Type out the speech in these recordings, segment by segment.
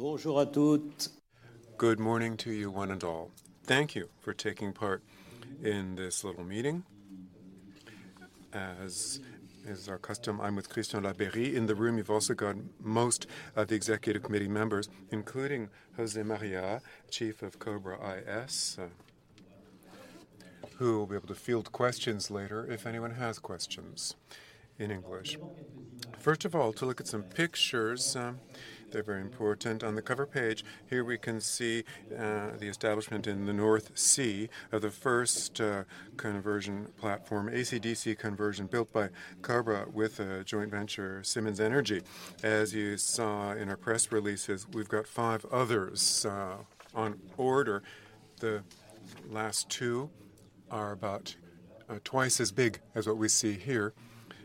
Bonjour à toutes. Good morning to you one and all. Thank you for taking part in this little meeting. As is our custom, I'm with Christian Labeyrie. In the room, you've also got most of the executive committee members, including José María, Chief of Cobra IS, who will be able to field questions later if anyone has questions in English. First of all, to look at some pictures, they're very important. On the cover page here, we can see the establishment in the North Sea of the first conversion platform, AC/DC conversion, built by Cobra with a joint venture, Siemens Energy. As you saw in our press releases, we've got five others on order. The last two are about two times as big as what we see here.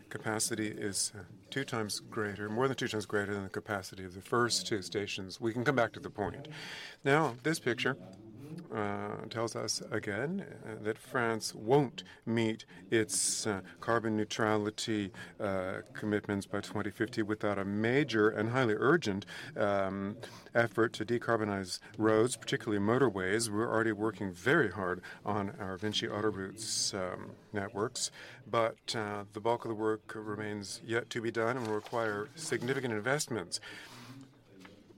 Capacity is two times greater, more than two times greater than the capacity of the first two stations. We can come back to the point. This picture tells us again that France won't meet its carbon neutrality commitments by 2050 without a major and highly urgent effort to decarbonize roads, particularly motorways. We're already working very hard on our VINCI Autoroutes networks, but the bulk of the work remains yet to be done and will require significant investments.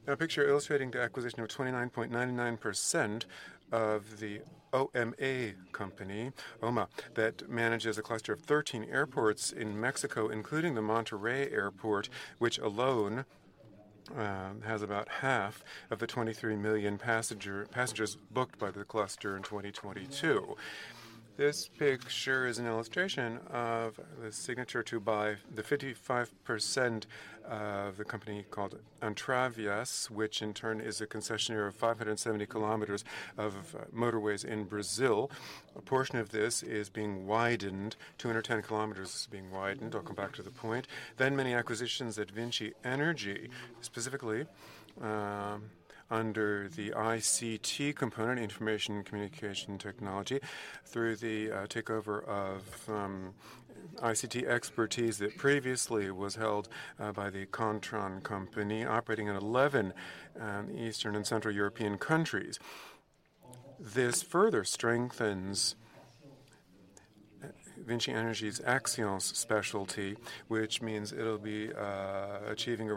A picture illustrating the acquisition of 29.99% of the O-M-A company, OMA, that manages a cluster of 13 airports in Mexico, including the Monterey Airport, which alone has about half of the 23 million passengers booked by the cluster in 2022. This picture is an illustration of the signature to buy the 55% of the company called Entrevias, which in turn is a concessionaire of 570 kilometers of motorways in Brazil. A portion of this is being widened, 210 km is being widened. I'll come back to the point. Many acquisitions at VINCI Energies, specifically, under the ICT component, information communication technology, through the takeover of ICT expertise that previously was held by the Kontron company operating in 11 Eastern and Central European countries. This further strengthens VINCI Energies' Axians specialty, which means it'll be achieving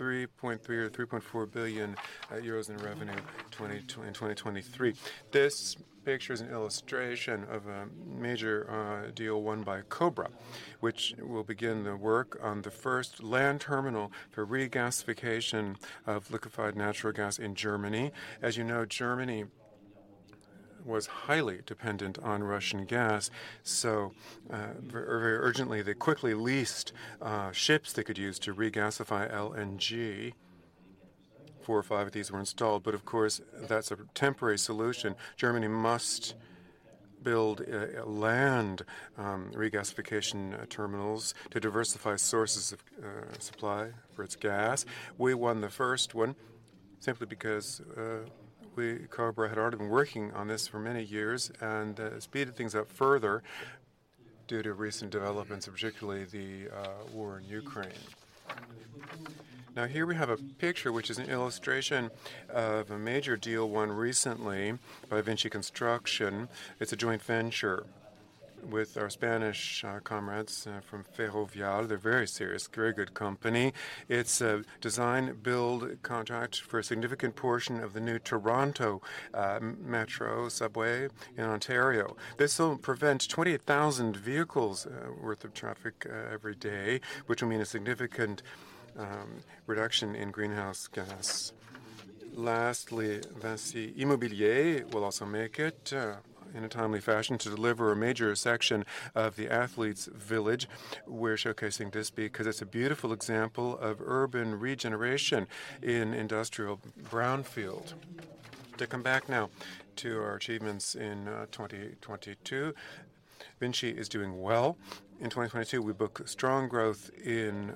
around 3.3 billion or 3.4 billion euros in revenue in 2023. This picture is an illustration of a major deal won by Cobra, which will begin the work on the first land terminal for regasification of liquefied natural gas in Germany. As you know, Germany was highly dependent on Russian gas, so very urgently, they quickly leased ships they could use to regasify LNG. four or five of these were installed, but of course, that's a temporary solution. Germany must build land regasification terminals to diversify sources of supply for its gas. We won the first one simply because we, Cobra had already been working on this for many years and speeded things up further due to recent developments, particularly the war in Ukraine. Here we have a picture which is an illustration of a major deal won recently by VINCI Construction. It's a joint venture with our Spanish comrades from Ferrovial. They're very serious, very good company. It's a design build contract for a significant portion of the new Toronto metro subway in Ontario. This will prevent 28,000 vehicles worth of traffic every day, which will mean a significant reduction in greenhouse gas. Lastly, VINCI Immobilier will also make it in a timely fashion to deliver a major section of the athletes' village. We're showcasing this because it's a beautiful example of urban regeneration in industrial brownfield. To come back now to our achievements in 2022, VINCI is doing well. In 2022, we book strong growth in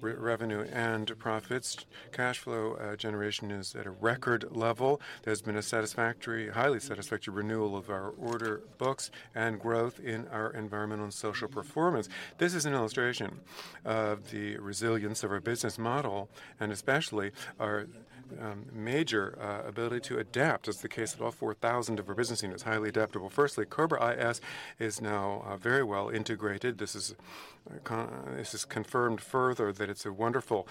re-revenue and profits. Cash flow generation is at a record level. There's been a highly satisfactory renewal of our order books and growth in our environmental and social performance. This is an illustration of the resilience of our business model, and especially our major ability to adapt, as the case of all 4,000 of our business units, highly adaptable. Firstly, Cobra IS is now very well integrated. This has confirmed further that it's a wonderful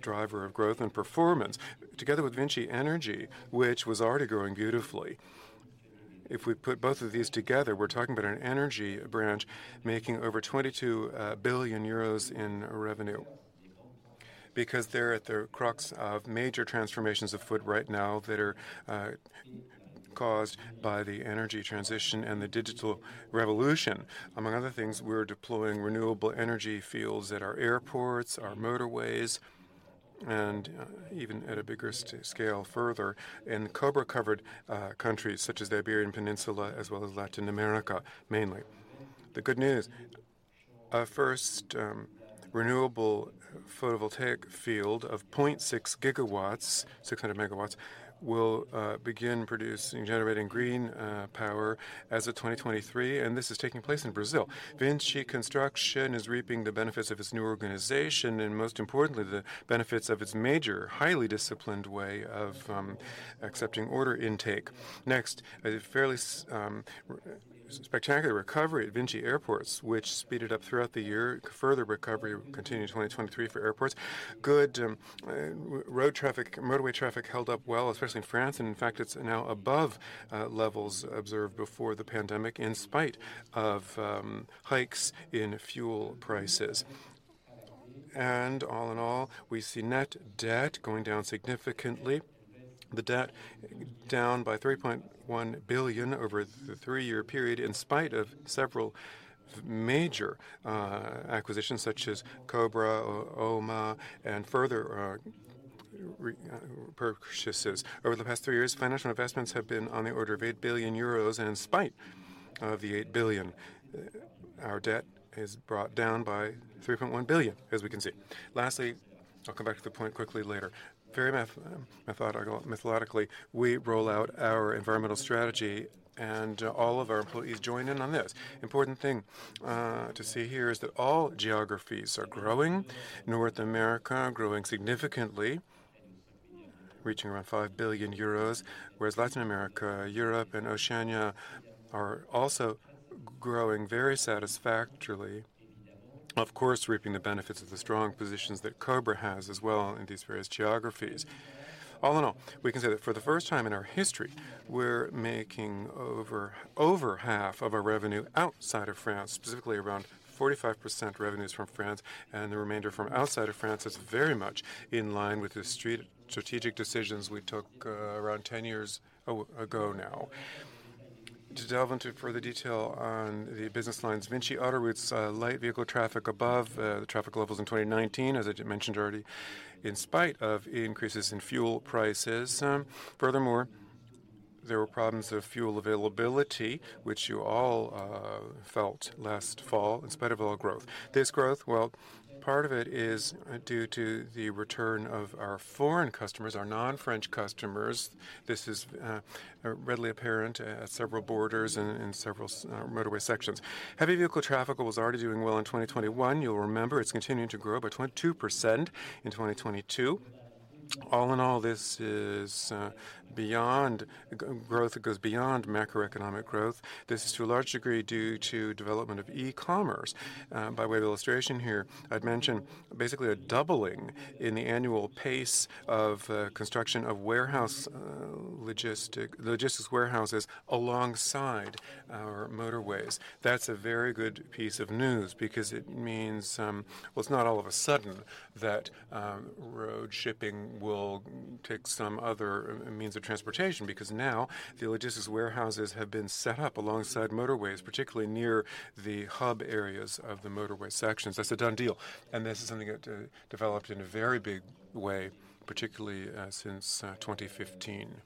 driver of growth and performance. Together with VINCI Energies, which was already growing beautifully, if we put both of these together, we're talking about an energy branch making over 22 billion euros in revenue. Because they're at the crux of major transformations afoot right now that are caused by the energy transition and the digital revolution. Among other things, we're deploying renewable energy fields at our airports, our motorways, and even at a bigger scale further. Cobra IS covered countries such as the Iberian Peninsula, as well as Latin America, mainly. The good news. Our first renewable photovoltaic field of 0.6 GW, 600 MW, will begin producing, generating green power as of 2023, and this is taking place in Brazil. VINCI Construction is reaping the benefits of its new organization and, most importantly, the benefits of its major, highly disciplined way of accepting order intake. A fairly spectacular recovery at VINCI Airports, which speeded up throughout the year. Further recovery will continue in 2023 for airports. Road traffic, motorway traffic held up well, especially in France, in fact, it's now above levels observed before the pandemic in spite of hikes in fuel prices. All in all, we see net debt going down significantly. The debt down by 3.1 billion over the three-year period in spite of several major acquisitions such as Cobra or OMA and further re-purchases. Over the past three years, financial investments have been on the order of 8 billion euros, in spite of the 8 billion, our debt is brought down by 3.1 billion, as we can see. I'll come back to the point quickly later. Very methodologically, we roll out our environmental strategy, and all of our employees join in on this. Important thing to see here is that all geographies are growing. North America growing significantly, reaching around 5 billion euros, whereas Latin America, Europe, and Oceania are also growing very satisfactorily. Of course, reaping the benefits of the strong positions that Cobra IS has as well in these various geographies. All in all, we can say that for the first time in our history, we're making over half of our revenue outside of France, specifically around 45% revenues from France, and the remainder from outside of France is very much in line with the strategic decisions we took around 10 years ago now. To delve into further detail on the business lines, VINCI Autoroutes, light vehicle traffic above the traffic levels in 2019, as I mentioned already, in spite of increases in fuel prices. Furthermore, there were problems of fuel availability, which you all felt last fall in spite of all growth. This growth, well, part of it is due to the return of our foreign customers, our non-French customers. This is readily apparent at several borders and several motorway sections. Heavy vehicle traffic was already doing well in 2021. You'll remember it's continuing to grow by 22% in 2022. All in all, this is beyond growth. It goes beyond macroeconomic growth. This is to a large degree due to development of e-commerce. By way of illustration here, I'd mention basically a doubling in the annual pace of construction of logistics warehouses alongside our motorways. That's a very good piece of news because it means, Well, it's not all of a sudden that road shipping will take some other means of transportation because now the logistics warehouses have been set up alongside motorways, particularly near the hub areas of the motorway sections. That's a done deal, this is something that developed in a very big way, particularly since 2015.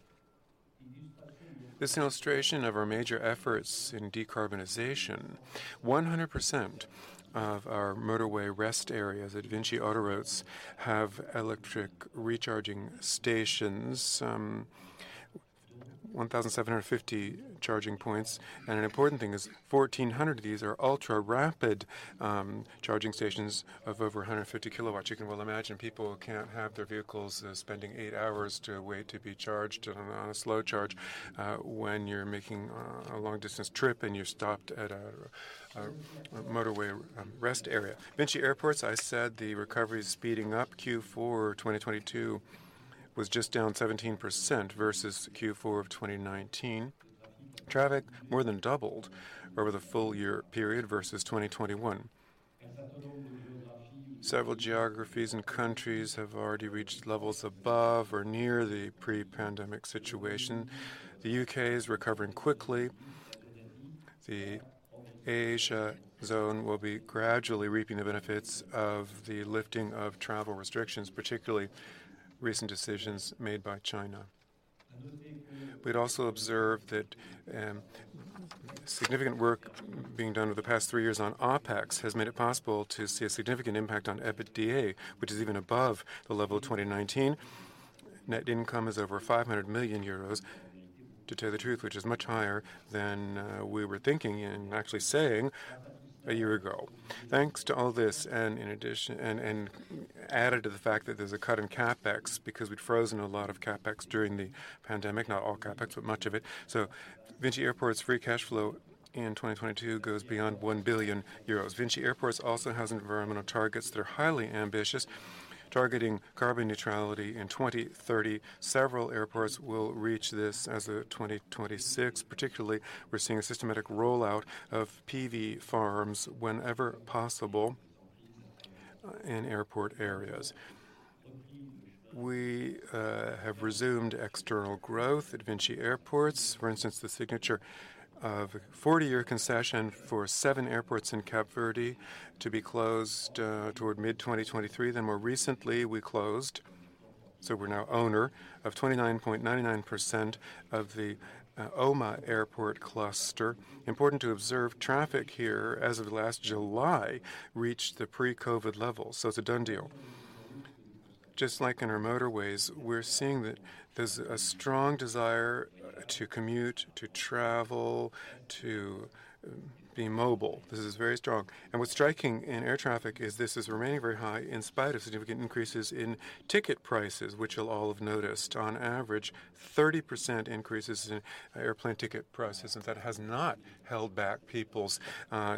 This illustration of our major efforts in decarbonization, 100% of our motorway rest areas at VINCI Autoroutes have electric recharging stations, 1,750 charging points. An important thing is 1,400 of these are ultra-rapid charging stations of over 150 kW. You can well imagine people can't have their vehicles spending eight hours to wait to be charged on a slow charge when you're making a long-distance trip and you're stopped at a motorway rest area. VINCI Airports, I said the recovery is speeding up. Q4 2022 was just down 17% versus Q4 of 2019. Traffic more than doubled over the full year period versus 2021. Several geographies and countries have already reached levels above or near the pre-pandemic situation. The U.K. is recovering quickly. The Asia zone will be gradually reaping the benefits of the lifting of travel restrictions, particularly recent decisions made by China. We'd also observe that significant work being done over the past three years on OpEx has made it possible to see a significant impact on EBITDA, which is even above the level of 2019. Net income is over 500 million euros, to tell the truth, which is much higher than we were thinking and actually saying a year ago. Thanks to all this, and added to the fact that there's a cut in CapEx because we'd frozen a lot of CapEx during the pandemic, not all CapEx, but much of it. VINCI Airports' free cash flow in 2022 goes beyond 1 billion euros. Vinci Airports also has environmental targets that are highly ambitious, targeting carbon neutrality in 2030. Several airports will reach this as of 2026. Particularly, we're seeing a systematic rollout of PV farms whenever possible in airport areas. We have resumed external growth at VINCI Airports. For instance, the signature of a 40-year concession for seven airports in Cape Verde to be closed toward mid-2023. More recently, we're now owner of 29.99% of the OMA Airport cluster. Important to observe traffic here as of last July reached the pre-COVID levels. It's a done deal. Just like in our motorways, we're seeing that there's a strong desire to commute, to travel, to be mobile. This is very strong. What's striking in air traffic is this is remaining very high in spite of significant increases in ticket prices, which you'll all have noticed. On average, 30% increases in airplane ticket prices, that has not held back people's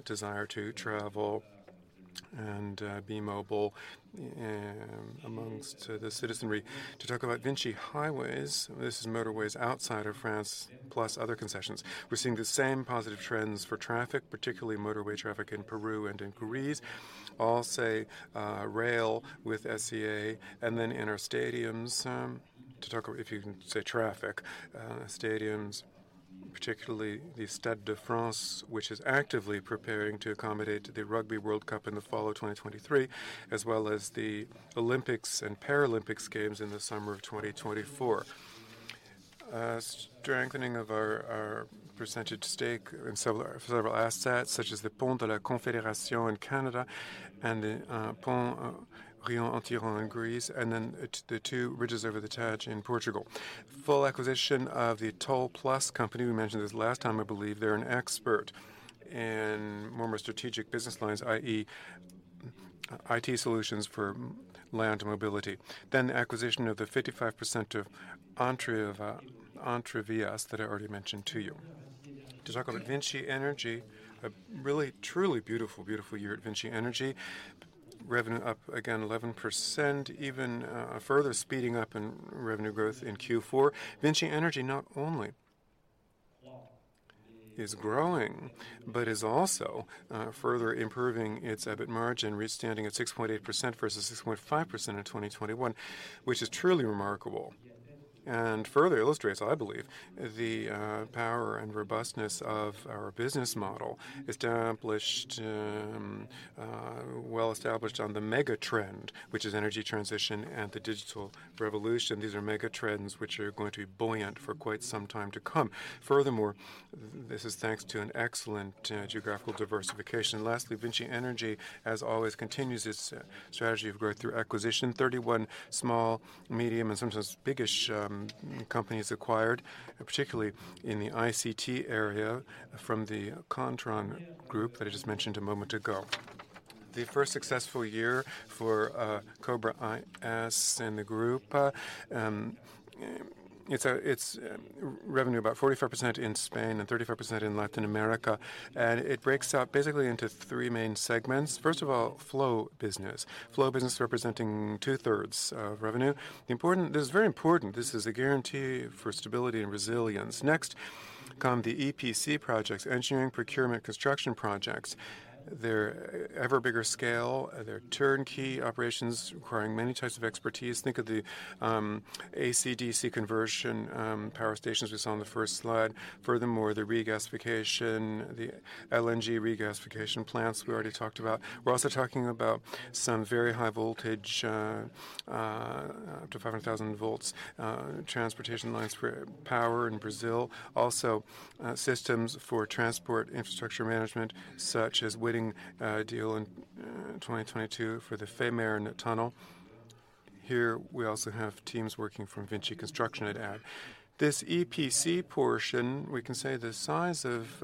desire to travel and be mobile amongst the citizenry. To talk about VINCI Highways, this is motorways outside of France, plus other concessions. We're seeing the same positive trends for traffic, particularly motorway traffic in Peru and in Greece. I'll say rail with SCA and then in our stadiums, particularly the Stade de France, which is actively preparing to accommodate the Rugby World Cup in the fall of 2023, as well as the Olympics and Paralympics Games in the summer of 2024. Strengthening of our percentage stake in several assets such as the Confederation Bridge in Canada and the Rio-Antirrio Bridge in Greece, then it's the two bridges over the Tagus in Portugal. Full acquisition of the TollPlus company. We mentioned this last time, I believe. They're an expert in more and more strategic business lines, i.e., IT solutions for land mobility. The acquisition of the 55% of Entrevias that I already mentioned to you. To talk about VINCI Energies, a really truly beautiful year at VINCI Energies. Revenue up again 11%, even a further speeding up in revenue growth in Q4. VINCI Energies not only is growing but is also further improving its EBIT margin, which standing at 6.8% versus 6.5% in 2021, which is truly remarkable and further illustrates, I believe, the power and robustness of our business model well established on the mega-trend, which is energy transition and the digital revolution. These are mega-trends which are going to be buoyant for quite some time to come. Furthermore, this is thanks to an excellent geographical diversification. Lastly, VINCI Energies, as always, continues its strategy of growth through acquisition. 31 small, medium, and sometimes biggish companies acquired, particularly in the ICT area from the Kontron group that I just mentioned a moment ago. The first successful year for Cobra IS and the group. And it's revenue about 44% in Spain and 34% in Latin America. It breaks out basically into three main segments. First of all, flow business. Flow business representing 2/3 of revenue. This is very important. This is a guarantee for stability and resilience. Next come the EPC projects, engineering, procurement, construction projects. They're ever bigger scale. They're turnkey operations requiring many types of expertise. Think of the AC/DC conversion power stations we saw on the first slide. Furthermore, the regasification, the LNG regasification plants we already talked about. We're also talking about some very high voltage, up to 500,000 volts, transportation lines for power in Brazil. Also, systems for transport infrastructure management such as winning a deal in 2022 for the Fehmarn tunnel. Here we also have teams working from VINCI Construction, I'd add. This EPC portion, we can say the size of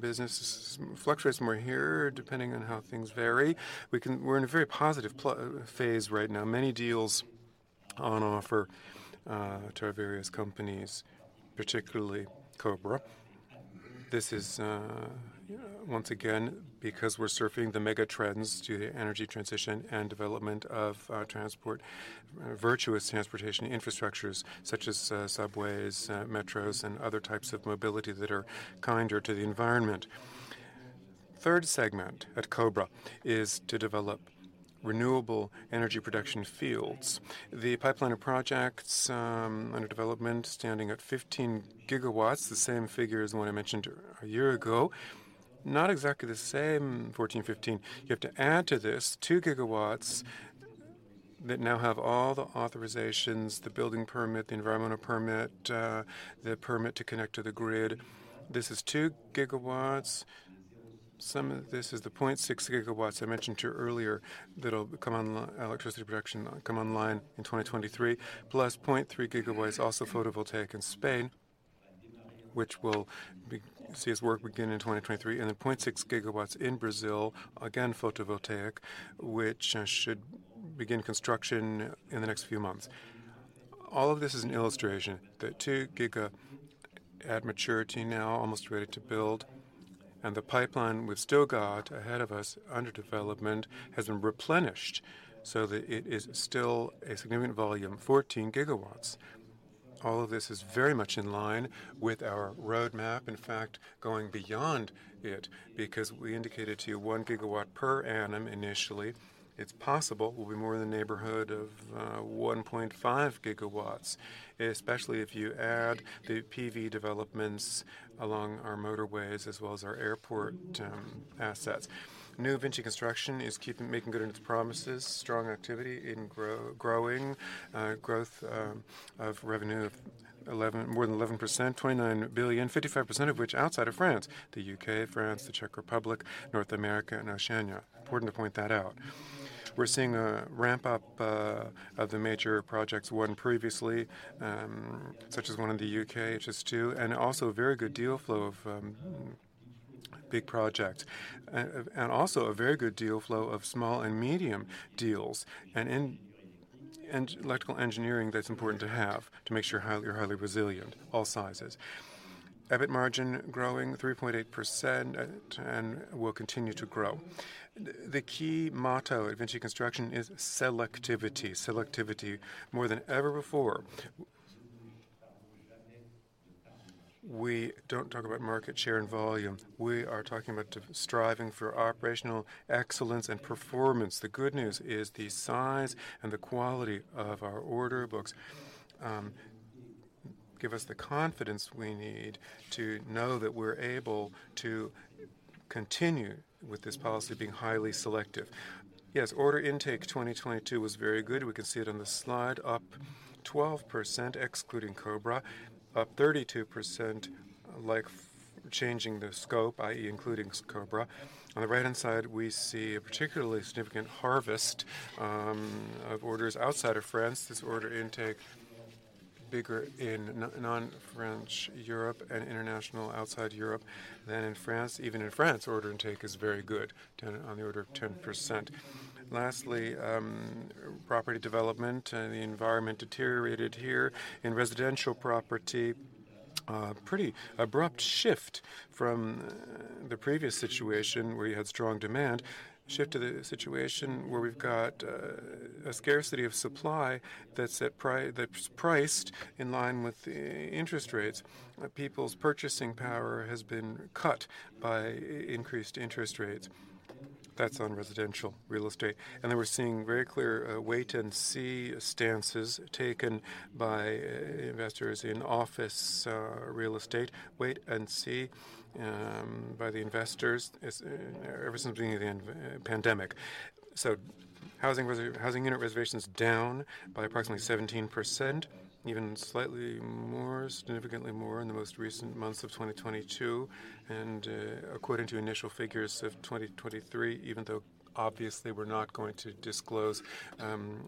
business fluctuates more here depending on how things vary. We're in a very positive phase right now. Many deals on offer to our various companies, particularly Cobra. This is once again because we're surfing the mega-trends to the energy transition and development of transport, virtuous transportation infrastructures such as subways, metros, and other types of mobility that are kinder to the environment. Third segment at Cobra is to develop renewable energy production fields. The pipeline of projects under development standing at 15 gigawatts, the same figure as the one I mentioned a year ago. Not exactly the same, 14, 15. You have to add to this 2 GWthat now have all the authorizations, the building permit, the environmental permit, the permit to connect to the grid. This is 2 GW. Some of this is the 0.6 GW I mentioned to you earlier, electricity production come online in 2023, plus 0.3 GW, also photovoltaic in Spain, which will see its work begin in 2023, and then 0.6 GW in Brazil, again photovoltaic, which should begin construction in the next few months. All of this is an illustration that 2 GWat maturity now, almost ready to build, and the pipeline we've still got ahead of us under development has been replenished so that it is still a significant volume, 14 GW. All of this is very much in line with our roadmap, in fact, going beyond it because we indicated to you 1 GW per annum initially. It's possible we'll be more in the neighborhood of 1.5 GW, especially if you add the PV developments along our motorways as well as our airport assets. New VINCI Construction is making good on its promises. Strong activity and growing. Growth of revenue of more than 11%, 29 billion, 55% of which outside of France. The UK, France, the Czech Republic, North America, and Oceania. Important to point that out. We're seeing a ramp-up of the major projects won previously, such as one in the UK, HS2, and also a very good deal flow of big projects. Also a very good deal flow of small and medium deals. In electrical engineering, that's important to have to make sure you're highly resilient, all sizes. EBIT margin growing 3.8%, and will continue to grow. The key motto at VINCI Construction is selectivity. Selectivity more than ever before. We don't talk about market share and volume. We are talking about striving for operational excellence and performance. The good news is the size and the quality of our order books, give us the confidence we need to know that we're able to continue with this policy of being highly selective. Order intake 2022 was very good. We can see it on the slide, up 12% excluding Cobra. Up 32%, like, changing the scope, i.e., including Cobra. On the right-hand side, we see a particularly significant harvest of orders outside of France. This order intake bigger in non-French Europe and international outside Europe than in France. Even in France, order intake is very good, 10 on the order of 10%. Lastly, property development. The environment deteriorated here. In residential property, a pretty abrupt shift from the previous situation where you had strong demand. Shift to the situation where we've got a scarcity of supply that's priced in line with interest rates. People's purchasing power has been cut by increased interest rates. That's on residential real estate. Then we're seeing very clear wait and see stances taken by investors in office real estate. Wait and see by the investors is ever since the beginning of the pandemic. Housing unit reservations down by approximately 17%, even slightly more, significantly more in the most recent months of 2022. According to initial figures of 2023, even though obviously we're not going to disclose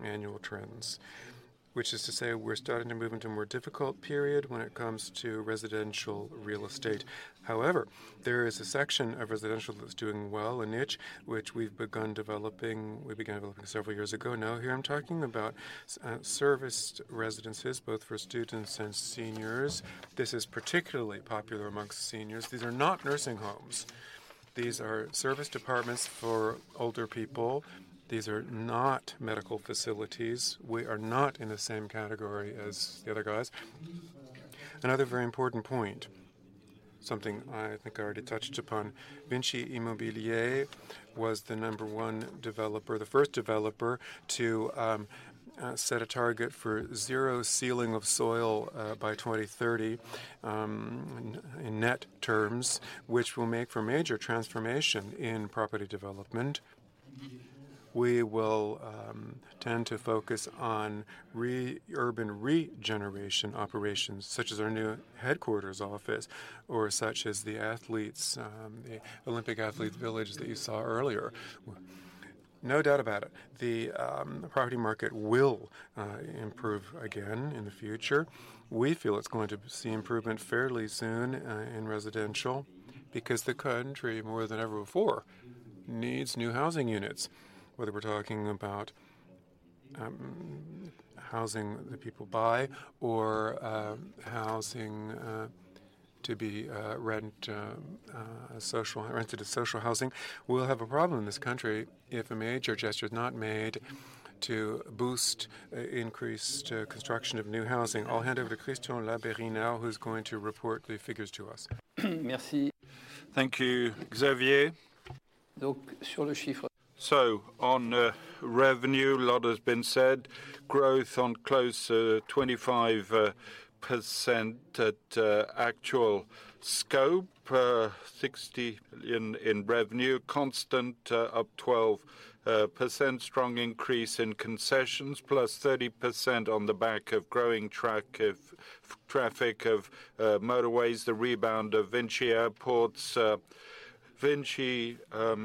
annual trends. Which is to say we're starting to move into a more difficult period when it comes to residential real estate. However, there is a section of residential that's doing well, a niche which we've begun developing. We began developing several years ago. Now, here I'm talking about serviced residences both for students and seniors. This is particularly popular amongst seniors. These are not nursing homes. These are service departments for older people. These are not medical facilities. We are not in the same category as the other guys. Another very important point, something I think I already touched upon. VINCI Immobilier was the number one developer, the first developer to set a target for zero sealing of soil by 2030 in net terms, which will make for major transformation in property development. We will tend to focus on urban regeneration operations, such as our new headquarters office or such as the athletes, the Olympic Athletes Village that you saw earlier. No doubt about it, the property market will improve again in the future. We feel it's going to see improvement fairly soon in residential because the country, more than ever before, needs new housing units. Whether we're talking about housing that people buy or housing to be rent, rented as social housing. We'll have a problem in this country if a major gesture is not made to boost increased construction of new housing. I'll hand over to Christian Labeyrie now, who's going to report the figures to us. Merci. Thank you, Xavier. On revenue, a lot has been said. Growth on close to 25% at actual scope. 60 in revenue. Constant up 12%. Strong increase in concessions, plus 30% on the back of growing traffic of motorways, the rebound of VINCI Airports. VINCI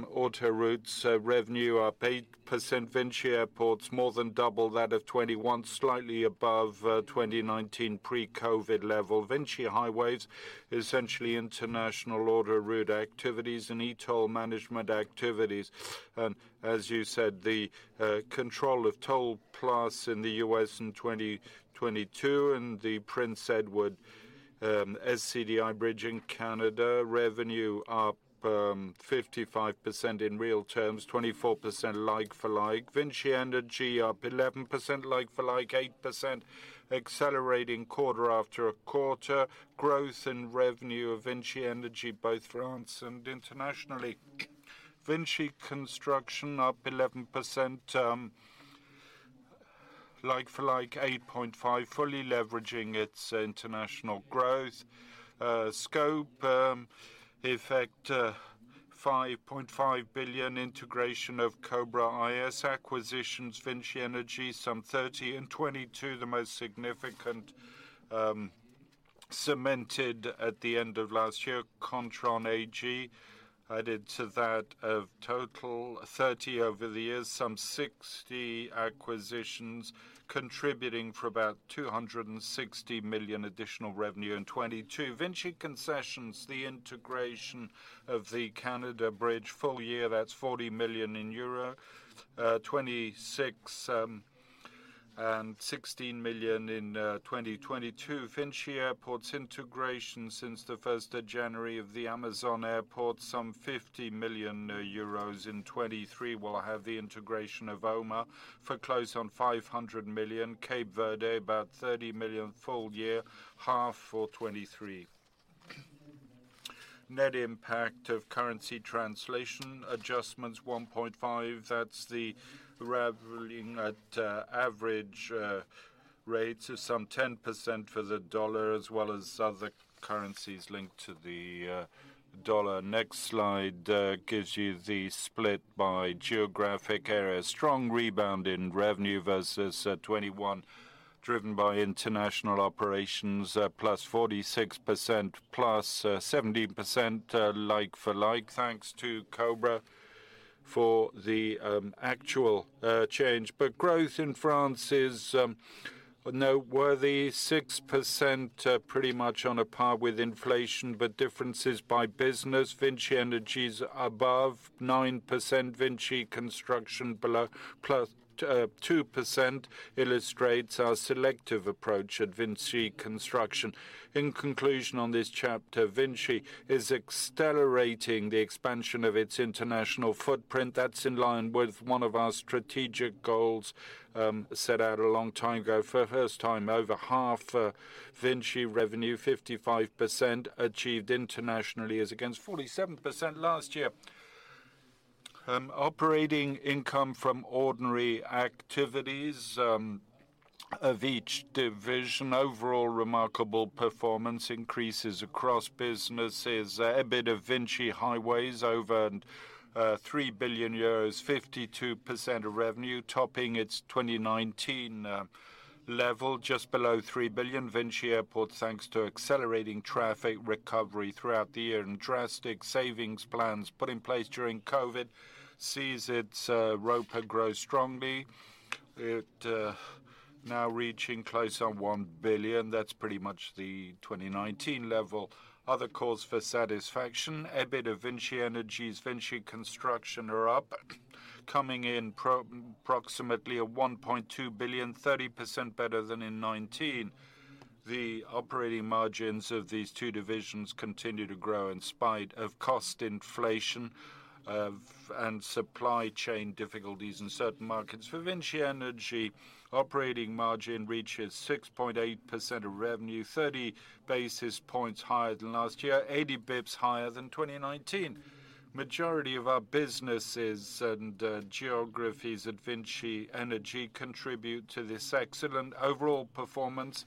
Autoroutes revenue up 8%. VINCI Airports more than double that of 2021, slightly above 2019 pre-COVID level. VINCI Highways, essentially international order route activities and e-toll management activities. As you said, the control of TollPlus in the U.S. In 2022 and the Prince Edward SCDI Bridge in Canada, revenue up 55% in real terms, 24% like for like. VINCI Energies up 11% like for like, 8% accelerating quarter after quarter. Growth in revenue of VINCI Energies, both France and internationally. VINCI Construction up 11%, like for like 8.5, fully leveraging its international growth. Scope effect, 5.5 billion integration of Cobra IS acquisitions, VINCI Energies some 30. In 2022, the most significant, cemented at the end of last year, Kontron AG added to that of total 30 over the years, some 60 acquisitions contributing for about 260 million additional revenue in 2022. VINCI Concessions, the integration of the Confederation Bridge, full year that's 40 million euro, euro 26 million and 16 million in 2022. VINCI Airports integration since the 1st of January of the Amazonian airports, some 50 million euros. In 2023, we'll have the integration of OMA for close on 500 million. Cape Verde, about 30 million full year, half for 2023. Net impact of currency translation adjustments 1.5. That's the reveling at average rates of some 10% for the dollar as well as other currencies linked to the dollar. Next slide gives you the split by geographic area. Strong rebound in revenue versus 2021, driven by international operations, +46% +17% like for like, thanks to Cobra for the actual change. Growth in France is noteworthy 6%, pretty much on a par with inflation, but differences by business. VINCI Energies above 9%. VINCI Construction below +2% illustrates our selective approach at VINCI Construction. In conclusion on this chapter, VINCI is accelerating the expansion of its international footprint. That's in line with one of our strategic goals set out a long time ago. For first time, over half VINCI revenue, 55% achieved internationally as against 47% last year. Operating income from ordinary activities of each division. Overall remarkable performance increases across businesses. EBITDA VINCI Highways over 3 billion euros, 52% of revenue topping its 2019 level just below 3 billion. VINCI Airports, thanks to accelerating traffic recovery throughout the year and drastic savings plans put in place during COVID, sees its ROPA grow strongly. It now reaching close on 1 billion. That's pretty much the 2019 level. Other cause for satisfaction, EBITDA VINCI Energies, VINCI Construction are up, coming in approximately at 1.2 billion, 30% better than in 2019. The operating margins of these two divisions continue to grow in spite of cost inflation and supply chain difficulties in certain markets. For VINCI Energies, operating margin reaches 6.8% of revenue, 30 basis points higher than last year, 80 basis points higher than 2019. Majority of our businesses and geographies at VINCI Energies contribute to this excellent overall performance,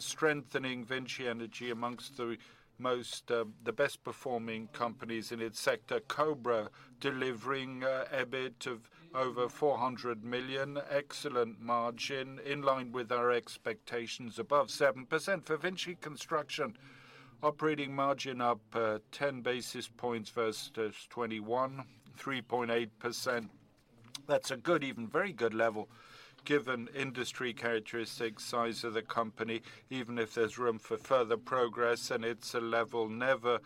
strengthening VINCI Energies amongst the most the best performing companies in its sector. Cobra IS delivering EBITDA of over 400 million, excellent margin in line with our expectations above 7%. For VINCI Construction, operating margin up 10 basis points versus 2021, 3.8%. That's a good, even very good level given industry characteristics, size of the company, even if there's room for further progress, it's a level never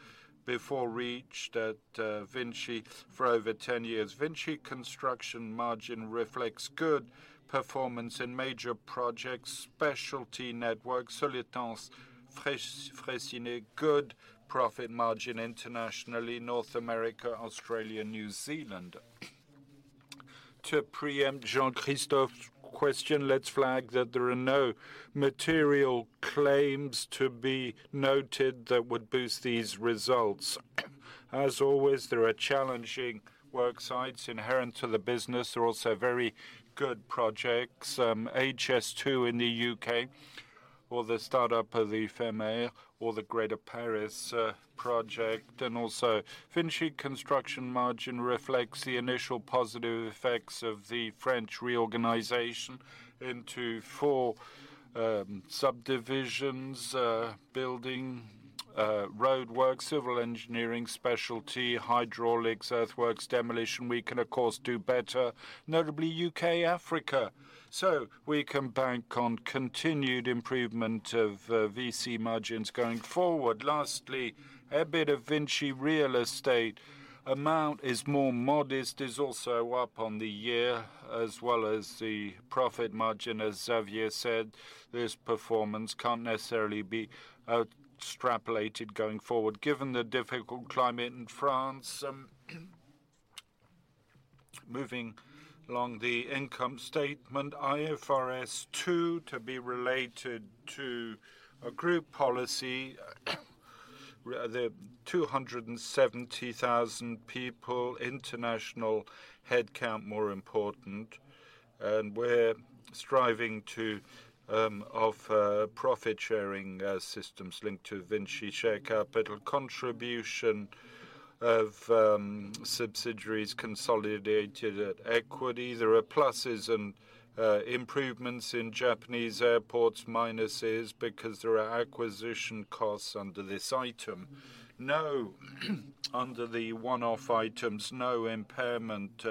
before reached at VINCI for over 10 years. VINCI Construction margin reflects good performance in major projects, specialty networks, Soletanche Freyssinet, good profit margin internationally, North America, Australia, New Zealand. To preempt Jean-Christophe's question, let's flag that there are no material claims to be noted that would boost these results. As always, there are challenging work sites inherent to the business. There are also very good projects, HS2 in the U.K., or the start up of the FEMR, or the Greater Paris Project. VINCI Construction margin reflects the initial positive effects of the French reorganization into four subdivisions, building, roadwork, civil engineering, specialty, hydraulics, earthworks, demolition. We can of course do better, notably U.K., Africa. We can bank on continued improvement of VC margins going forward. Lastly, EBITDA VINCI Real Estate amount is more modest, is also up on the year, as well as the profit margin. As Xavier said, this performance can't necessarily be extrapolated going forward given the difficult climate in France. Moving along the income statement, IFRS 2 to be related to a group policy. The 270,000 people, international headcount more important, and we're striving to offer profit-sharing systems linked to VINCI share capital. Contribution of subsidiaries consolidated at equity. There are pluses and improvements in Japanese airports, minuses because there are acquisition costs under this item. No under the one-off items, no impairment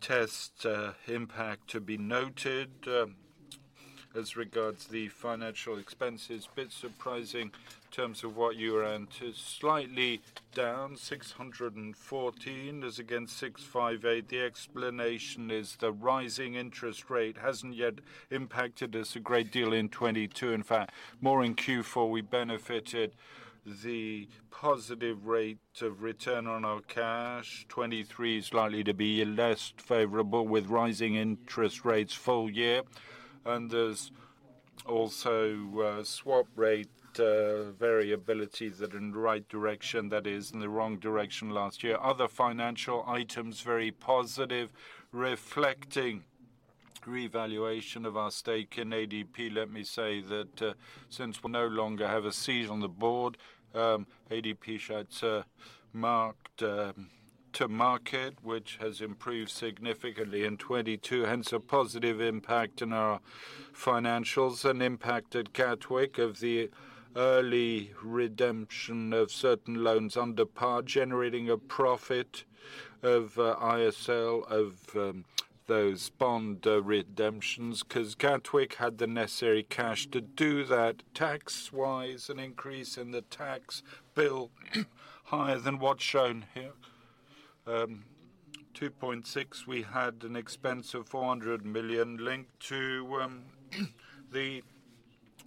test impact to be noted. As regards the financial expenses, bit surprising in terms of what you're entitled. Slightly down 614 as against 658. The explanation is the rising interest rate hasn't yet impacted us a great deal in 2022. In fact, more in Q4 we benefited the positive rate of return on our cash. 2023 is likely to be less favorable with rising interest rates full year. There's also swap rate variability that in the right direction, that is in the wrong direction last year. Other financial items, very positive, reflecting revaluation of our stake in ADP. Let me say that since we no longer have a seat on the board, ADP shares are marked to market, which has improved significantly in 2022, hence a positive impact on our financials. An impact at Gatwick of the early redemption of certain loans under par, generating a profit of ISL of those bond redemptions, 'cause Gatwick had the necessary cash to do that. Tax-wise, an increase in the tax bill higher than what's shown here. 2.6, we had an expense of 400 million linked to the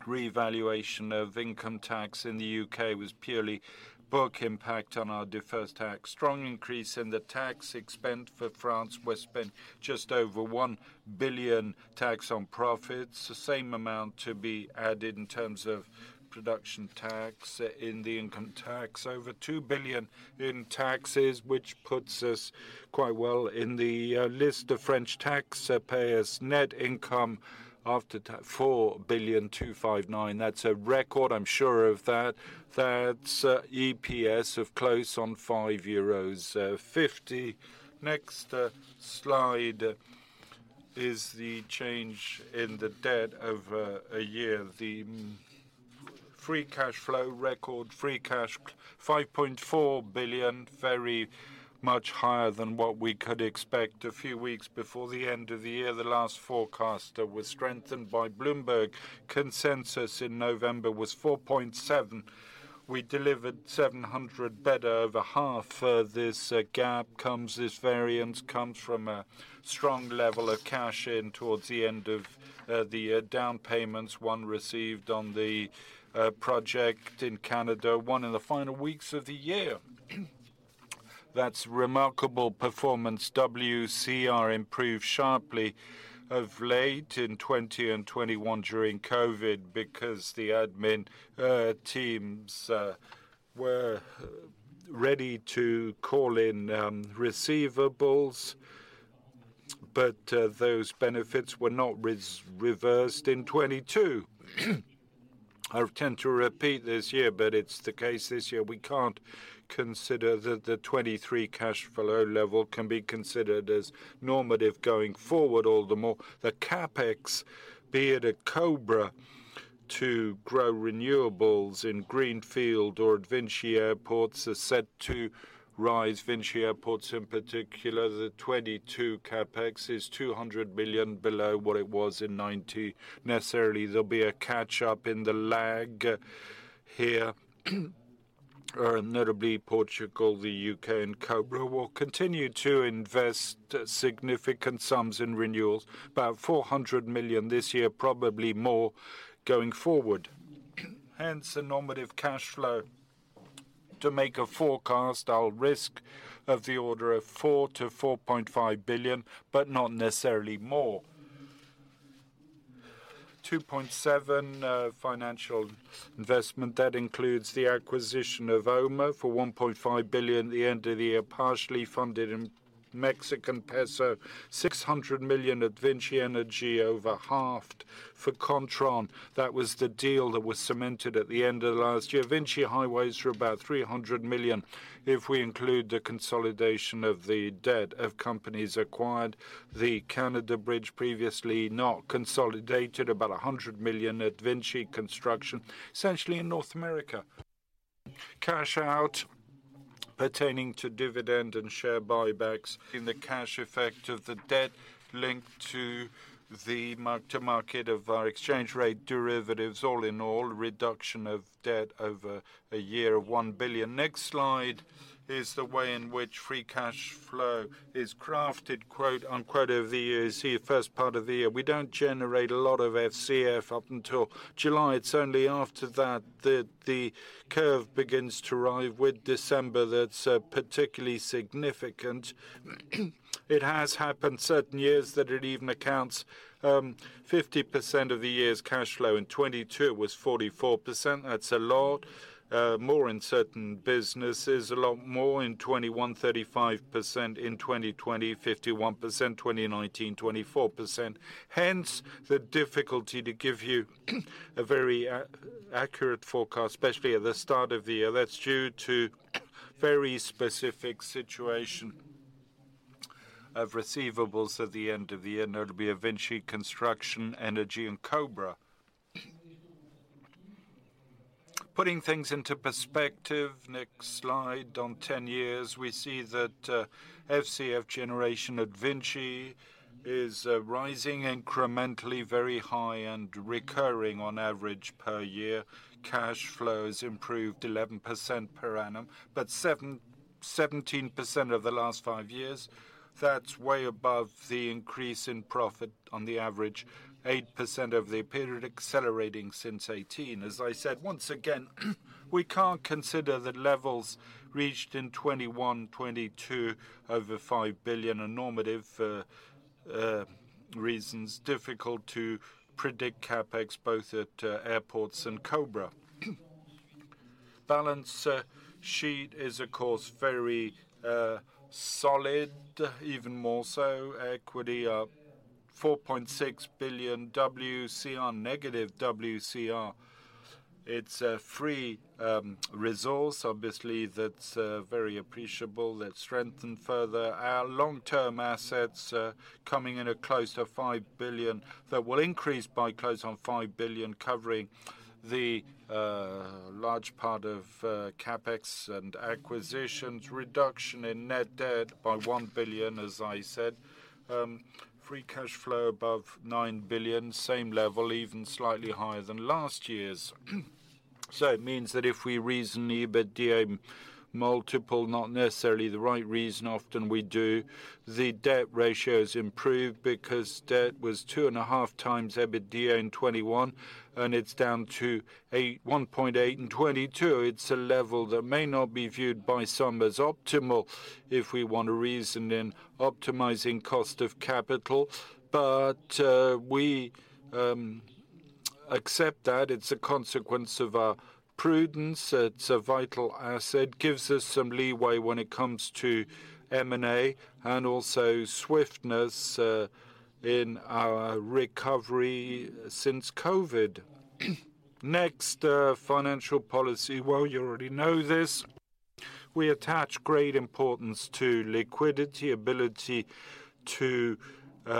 revaluation of income tax in the U.K. was purely book impact on our deferred tax. Strong increase in the tax expense for France. We spent just over 1 billion tax on profits. The same amount to be added in terms of production tax in the income tax. Over 2 billion in taxes, which puts us quite well in the list of French taxpayers. Net income after 4.259 billion. That's a record, I'm sure of that. That's EPS of close on 5.50 euros. Next slide is the change in the debt over a year. The free cash flow record, free cash 5.4 billion, very much higher than what we could expect. A few weeks before the end of the year, the last forecast was strengthened by Bloomberg. Consensus in November was 4.7. We delivered 700 better. Over half, this gap comes, this variance comes from a strong level of cash in towards the end of the down payments one received on the project in Canada, one in the final weeks of the year. That's remarkable performance. WCR improved sharply of late in 20 and 21 during COVID because the admin teams were ready to call in receivables. Those benefits were not reversed in 2022. I would tend to repeat this year. It's the case this year. We can't consider that the 2023 cash flow level can be considered as normative going forward. All the more the CapEx, be it at Cobra to grow renewables in Greenfield or at VINCI Airports, is set to rise. VINCI Airports in particular, the 2022 CapEx is 200 billion below what it was in 2019. Necessarily, there'll be a catch-up in the lag here. Notably Portugal, the U.K. and Cobra will continue to invest significant sums in renewals, about 400 million this year, probably more going forward. Hence the normative cash flow. To make a forecast, I'll risk of the order of 4 billion-4.5 billion, but not necessarily more. 2.7 billion, financial investment. That includes the acquisition of OMA for 1.5 billion at the end of the year, partially funded in Mexican peso. 600 million at VINCI Energies, over half for Kontron. That was the deal that was cemented at the end of last year. VINCI Highways for about 300 million, if we include the consolidation of the debt of companies acquired. The Canada bridge previously not consolidated, about 100 million at VINCI Construction, essentially in North America. Cash out pertaining to dividend and share buybacks in the cash effect of the debt linked to the mark-to-market of our exchange rate derivatives. Reduction of debt over a year of 1 billion. Next slide is the way in which free cash flow is crafted, quote unquote, "Over the years." First part of the year, we don't generate a lot of FCF up until July. It's only after that that the curve begins to rise with December that's particularly significant. It has happened certain years that it even accounts 50% of the year's cash flow, 2022 was 44%. That's a lot. More in certain businesses, a lot more in 2021, 35%, in 2020, 51%, 2019, 24%. Hence, the difficulty to give you a very accurate forecast, especially at the start of the year. That's due to very specific situation of receivables at the end of the year, and that'll be VINCI Construction, Energy and Cobra. Putting things into perspective, next slide, on 10 years, we see that FCF generation at VINCI is rising incrementally, very high and recurring on average per year. Cash flows improved 11% per annum, but 17% over the last five years. That's way above the increase in profit on the average 8% over the period, accelerating since 2018. As I said, once again, we can't consider the levels reached in 2021, 2022 over EUR 5 billion are normative for reasons difficult to predict CapEx both at airports and Cobra. Balance sheet is, of course, very solid, even more so. Equity, 4.6 billion. WCR, negative WCR. It's a free resource, obviously, that's very appreciable, that strengthened further. Our long-term assets, coming in at close to 5 billion, that will increase by close on 5 billion, covering the large part of CapEx and acquisitions. Reduction in net debt by 1 billion, as I said. Free cash flow above 9 billion, same level, even slightly higher than last year's. It means that if we reason EBITDA multiple, not necessarily the right reason, often we do, the debt ratio has improved because debt was 2.5x EBITDA in 2021, and it's down to a 1.8 in 2022. It's a level that may not be viewed by some as optimal if we want to reason in optimizing cost of capital. We accept that. It's a consequence of our prudence. It's a vital asset, gives us some leeway when it comes to M&A and also swiftness in our recovery since COVID. Next, financial policy. Well, you already know this. We attach great importance to liquidity, ability to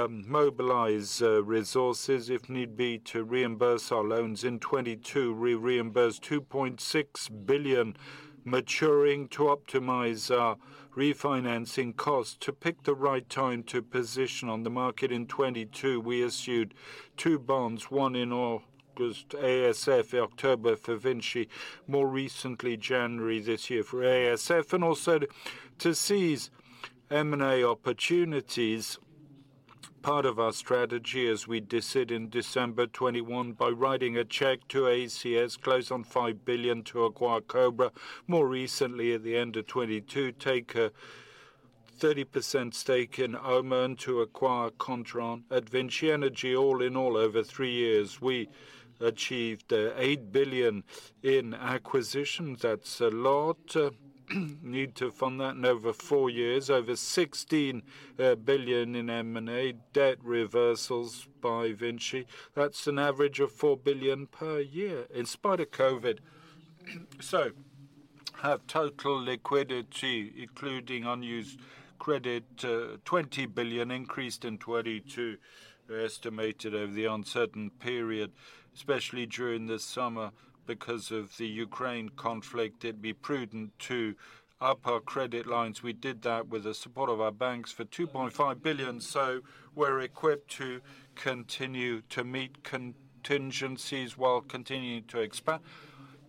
mobilize resources, if need be, to reimburse our loans. In 2022, we reimbursed 2.6 billion maturing to optimize our refinancing cost. To pick the right time to position on the market in 2022, we issued two bonds, one in August, ASF, October for VINCI, more recently, January this year for ASF. Also to seize M&A opportunities, part of our strategy as we decided in December 2021, by writing a check to ACS, close on 5 billion to acquire Cobra. More recently at the end of 2022, take a 30% stake in Omran to acquire Kontron. At VINCI Energies, all in all, over three years, we achieved 8 billion in acquisitions. That's a lot. Need to fund that in over four years. Over 16 billion in M&A debt reversals by VINCI. That's an average of 4 billion per year in spite of COVID. Have total liquidity, including unused credit, 20 billion increased in 2022, estimated over the uncertain period, especially during the summer because of the Ukraine Conflict. It'd be prudent to up our credit lines. We did that with the support of our banks for 2.5 billion, so we're equipped to continue to meet contingencies while continuing to expand.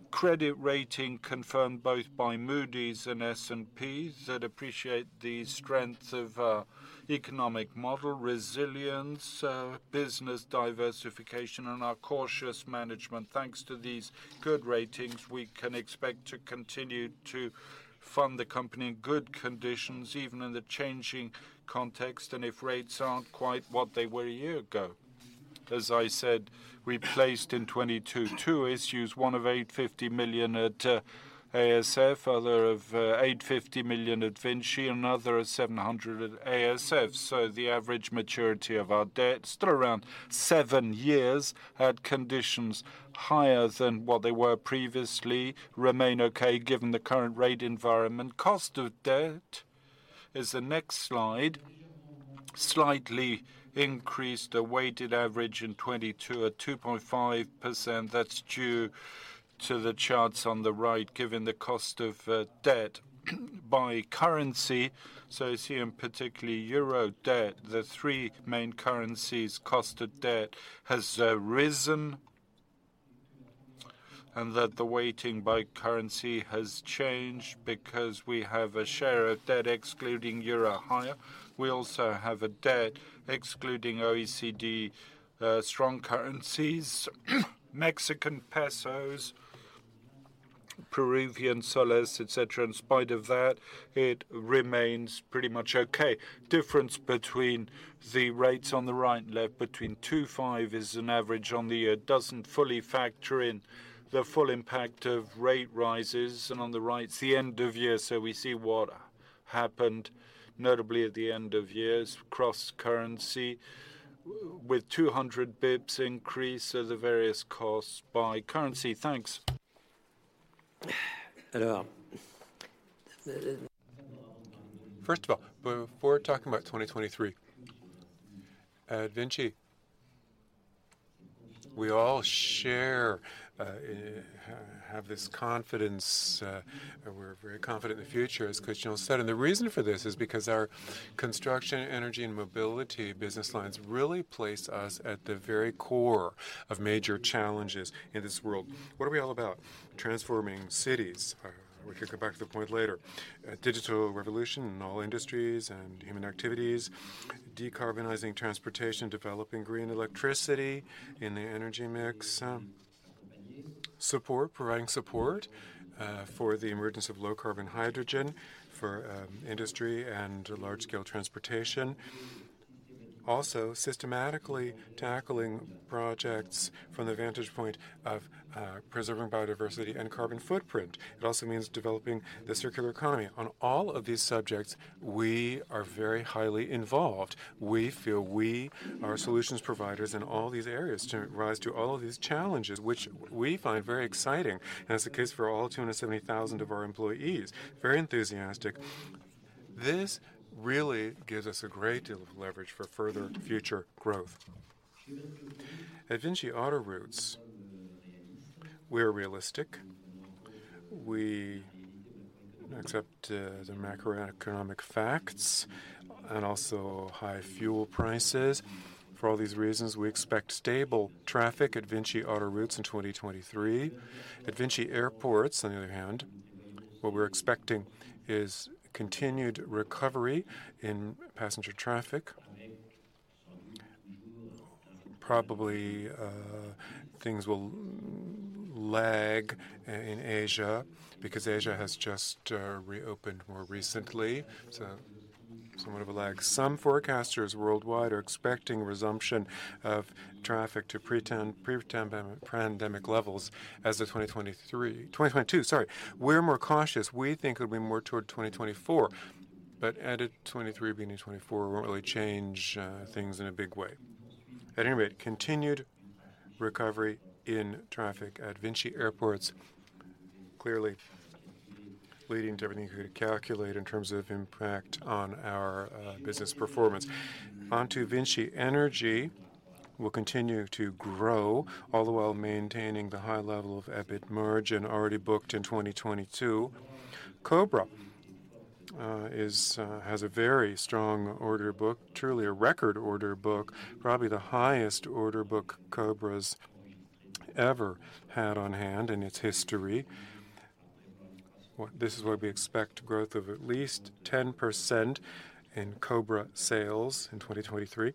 Credit rating confirmed both by Moody's and S&P that appreciate the strength of our economic model, resilience, business diversification, and our cautious management. Thanks to these good ratings, we can expect to continue to fund the company in good conditions, even in the changing context, and if rates aren't quite what they were a year ago. As I said, we placed in 2022 two issues, one of 850 million at ASF, other of 850 million at VINCI, another at 700 million at ASF. The average maturity of our debt, still around seven years, at conditions higher than what they were previously, remain okay given the current rate environment. Cost of debt is the next slide. Slightly increased the weighted average in 2022 at 2.5%. That's due to the charts on the right, given the cost of debt by currency. You see in particularly euro debt, the three main currencies' cost of debt has risen, and that the weighting by currency has changed because we have a share of debt excluding euro higher. We also have a debt excluding OECD strong currencies, Mexican pesos, Peruvian soles, et cetera. In spite of that, it remains pretty much okay. Difference between the rates on the right and left between 2.5 is an average on the year. Doesn't fully factor in the full impact of rate rises. On the right, it's the end of year, so we see what happened notably at the end of year's cross currency with 200 bips increase at the various costs by currency. Thanks. First of all, before talking about 2023, at VINCI, we all share, have this confidence, or we're very confident in the future, as Christian said. The reason for this is because our construction, energy, and mobility business lines really place us at the very core of major challenges in this world. What are we all about? Transforming cities. We could go back to the point later. A digital revolution in all industries and human activities. Decarbonizing transportation, developing green electricity in the energy mix. Support, providing support for the emergence of low-carbon hydrogen for industry and large-scale transportation. Also, systematically tackling projects from the vantage point of preserving biodiversity and carbon footprint. It also means developing the circular economy. On all of these subjects, we are very highly involved. We feel we are solutions providers in all these areas to rise to all of these challenges, which we find very exciting. That's the case for all 270,000 of our employees, very enthusiastic. This really gives us a great deal of leverage for further future growth. At VINCI Autoroutes, we're realistic. We accept the macroeconomic facts and also high fuel prices. For all these reasons, we expect stable traffic at VINCI Autoroutes in 2023. At VINCI Airports, on the other hand, what we're expecting is continued recovery in passenger traffic. Probably, things will lag in Asia because Asia has just reopened more recently, somewhat of a lag. Some forecasters worldwide are expecting resumption of traffic to pandemic levels as of 2023. 2022, sorry. We're more cautious. We think it'll be more toward 2024. End of 2023, beginning of 2024 won't really change things in a big way. At any rate, continued recovery in traffic at VINCI Airports, clearly leading to everything we could calculate in terms of impact on our business performance. Onto VINCI Energies, we'll continue to grow, all the while maintaining the high level of EBIT margin already booked in 2022. VINCI Cobras has a very strong order book, truly a record order book, probably the highest order book Cobras ever had on hand in its history. This is why we expect growth of at least 10% in Cobra sales in 2023,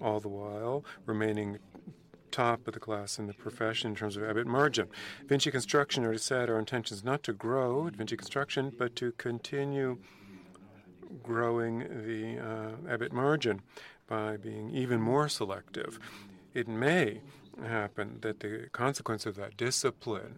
all the while remaining top of the class in the profession in terms of EBIT margin. VINCI Construction already said our intention is not to grow VINCI Construction, but to continue growing the EBIT margin by being even more selective. It may happen that the consequence of that discipline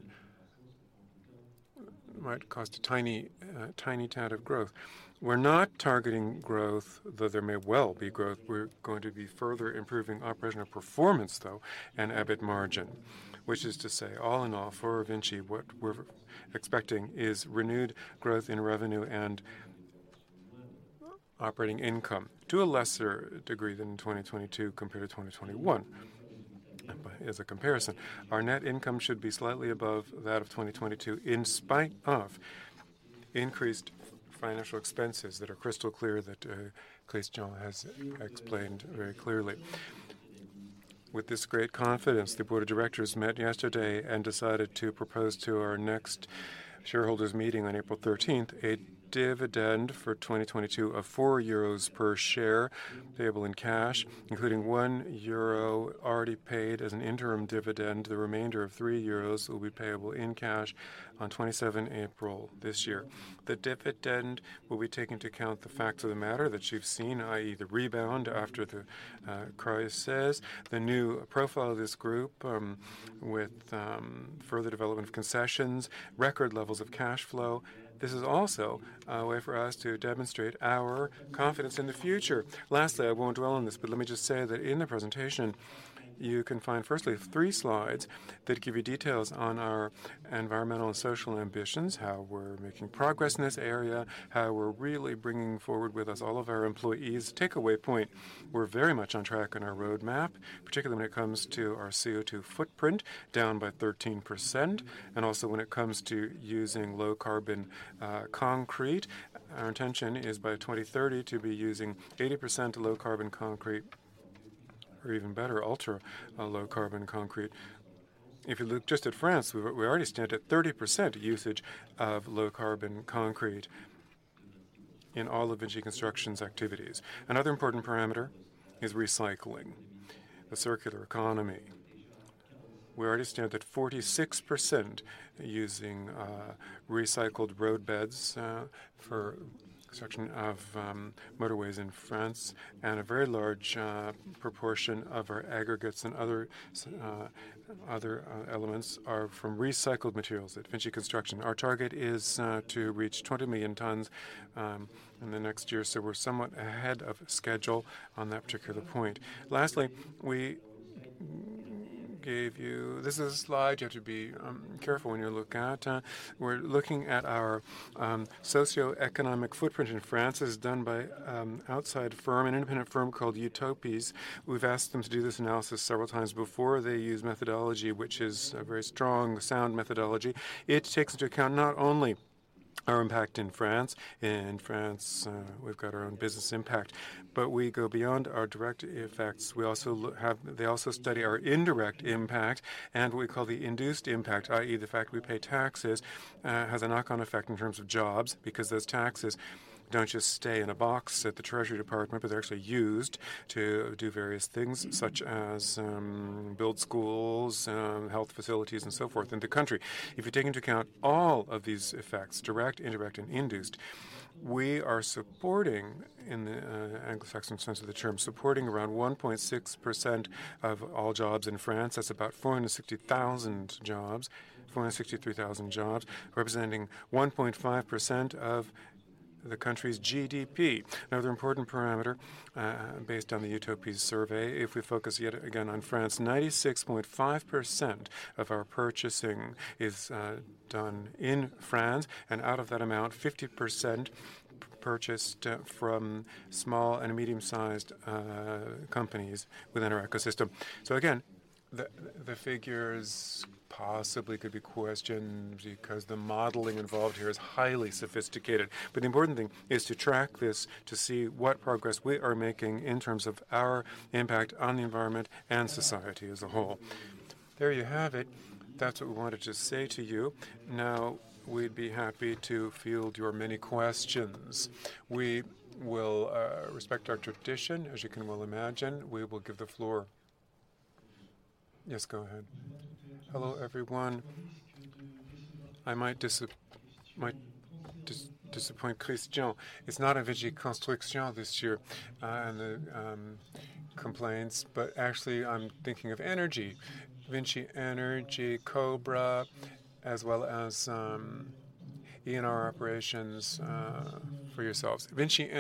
might cause a tiny tad of growth. We're not targeting growth, though there may well be growth. We're going to be further improving operational performance, though, and EBIT margin. Which is to say, all in all, for VINCI, what we're expecting is renewed growth in revenue and operating income to a lesser degree than in 2022 compared to 2021, but as a comparison. Our net income should be slightly above that of 2022, in spite of increased financial expenses that are crystal clear that Christian has explained very clearly. With this great confidence, the board of directors met yesterday and decided to propose to our next shareholders meeting on April 13th, a dividend for 2022 of 4 euros per share, payable in cash, including 1 euro already paid as an interim dividend. The remainder of 3 euros will be payable in cash on April 27 this year. The dividend will be taking into account the fact of the matter that you've seen, i.e., the rebound after the crisis. The new profile of this group, with further development of concessions, record levels of cash flow. This is also a way for us to demonstrate our confidence in the future. Lastly, I won't dwell on this, but let me just say that in the presentation, you can find firstly three slides that give you details on our environmental and social ambitions, how we're making progress in this area, how we're really bringing forward with us all of our employees. Takeaway point. We're very much on track on our roadmap, particularly when it comes to our CO2 footprint, down by 13%. Also when it comes to using low-carbon concrete. Our intention is by 2030 to be using 80% low-carbon concrete, or even better, ultra low-carbon concrete. If you look just at France, we already stand at 30% usage of low-carbon concrete in all of VINCI Construction's activities. Another important parameter is recycling, the circular economy. We already stand at 46% using recycled roadbeds for construction of motorways in France, and a very large proportion of our aggregates and other elements are from recycled materials at VINCI Construction. Our target is to reach 20 million tons in the next year, so we're somewhat ahead of schedule on that particular point. Lastly, we gave you. This is a slide you have to be careful when you look at. We're looking at our socioeconomic footprint in France. It's done by outside firm, an independent firm called UTOPIES. We've asked them to do this analysis several times before. They use methodology which is a very strong, sound methodology. It takes into account not only our impact in France. In France, we've got our own business impact. We go beyond our direct effects. We also have. They also study our indirect impact and what we call the induced impact, i.e., the fact we pay taxes, has a knock-on effect in terms of jobs because those taxes don't just stay in a box at the Treasury Department, but they're actually used to do various things, such as, build schools, health facilities, and so forth in the country. If you take into account all of these effects, direct, indirect, and induced, we are supporting, in the Anglo-Saxon sense of the term, supporting around 1.6% of all jobs in France. That's about 460,000 jobs, 463,000 jobs, representing 1.5% of the country's GDP. Another important parameter, based on the UTOPIES survey, if we focus yet again on France, 96.5% of our purchasing is done in France, and out of that amount, 50% purchased from small and medium-sized companies within our ecosystem. Again, the figures possibly could be questioned because the modeling involved here is highly sophisticated. The important thing is to track this to see what progress we are making in terms of our impact on the environment and society as a whole. There you have it. That's what we wanted to say to you. Now, we'd be happy to field your many questions. We will respect our tradition, as you can well imagine. We will give the floor. Yes, go ahead. Hello, everyone. I might disappoint Christophe. It's not a VINCI Construction this year, and the complaints, but actually I'm thinking of VINCI Energies. VINCI Energies, Cobra IS, as well as ENR operations for yourselves. VINCI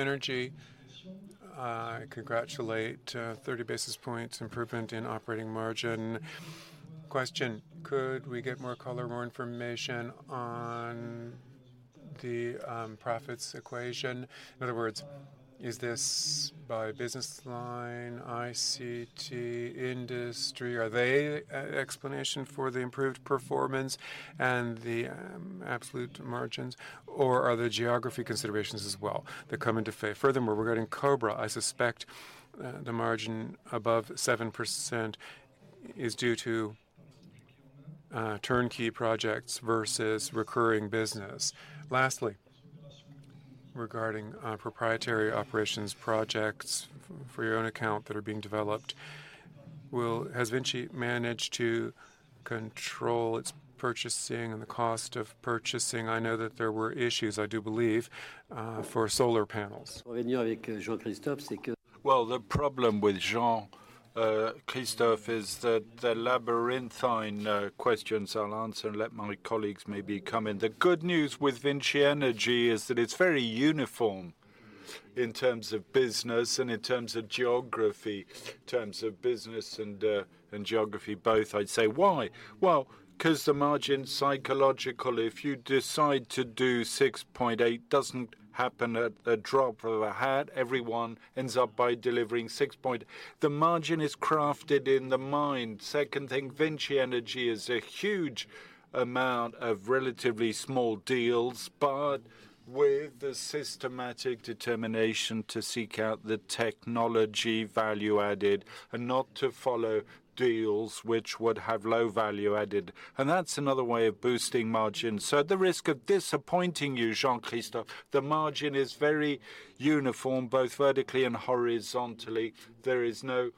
Energies, congratulate, 30 basis points improvement in operating margin. Question, could we get more color, more information on the profits equation? In other words, is this by business line, ICT, industry? Are they explanation for the improved performance and the absolute margins, or are there geography considerations as well that come into play? Furthermore, regarding Cobra IS, I suspect the margin above 7% is due to turnkey projects versus recurring business. Lastly, regarding proprietary operations projects for your own account that are being developed, has VINCI managed to control its purchasing and the cost of purchasing? I know that there were issues, I do believe, for solar panels. Well, the problem with Jean Christophe is that the labyrinthine questions I'll answer and let my colleagues maybe come in. The good news with VINCI Energies is that it's very uniform in terms of business and in terms of geography. In terms of business and geography both, I'd say. Why? Well, because the margin, psychological, if you decide to do 6.8%, doesn't happen at a drop of a hat. Everyone ends up by delivering. The margin is crafted in the mind. Second thing, VINCI Energies is a huge amount of relatively small deals, but with the systematic determination to seek out the technology value added and not to follow deals which would have low value added. That's another way of boosting margins. At the risk of disappointing you, Jean Christophe, the margin is very uniform both vertically and horizontally. There is no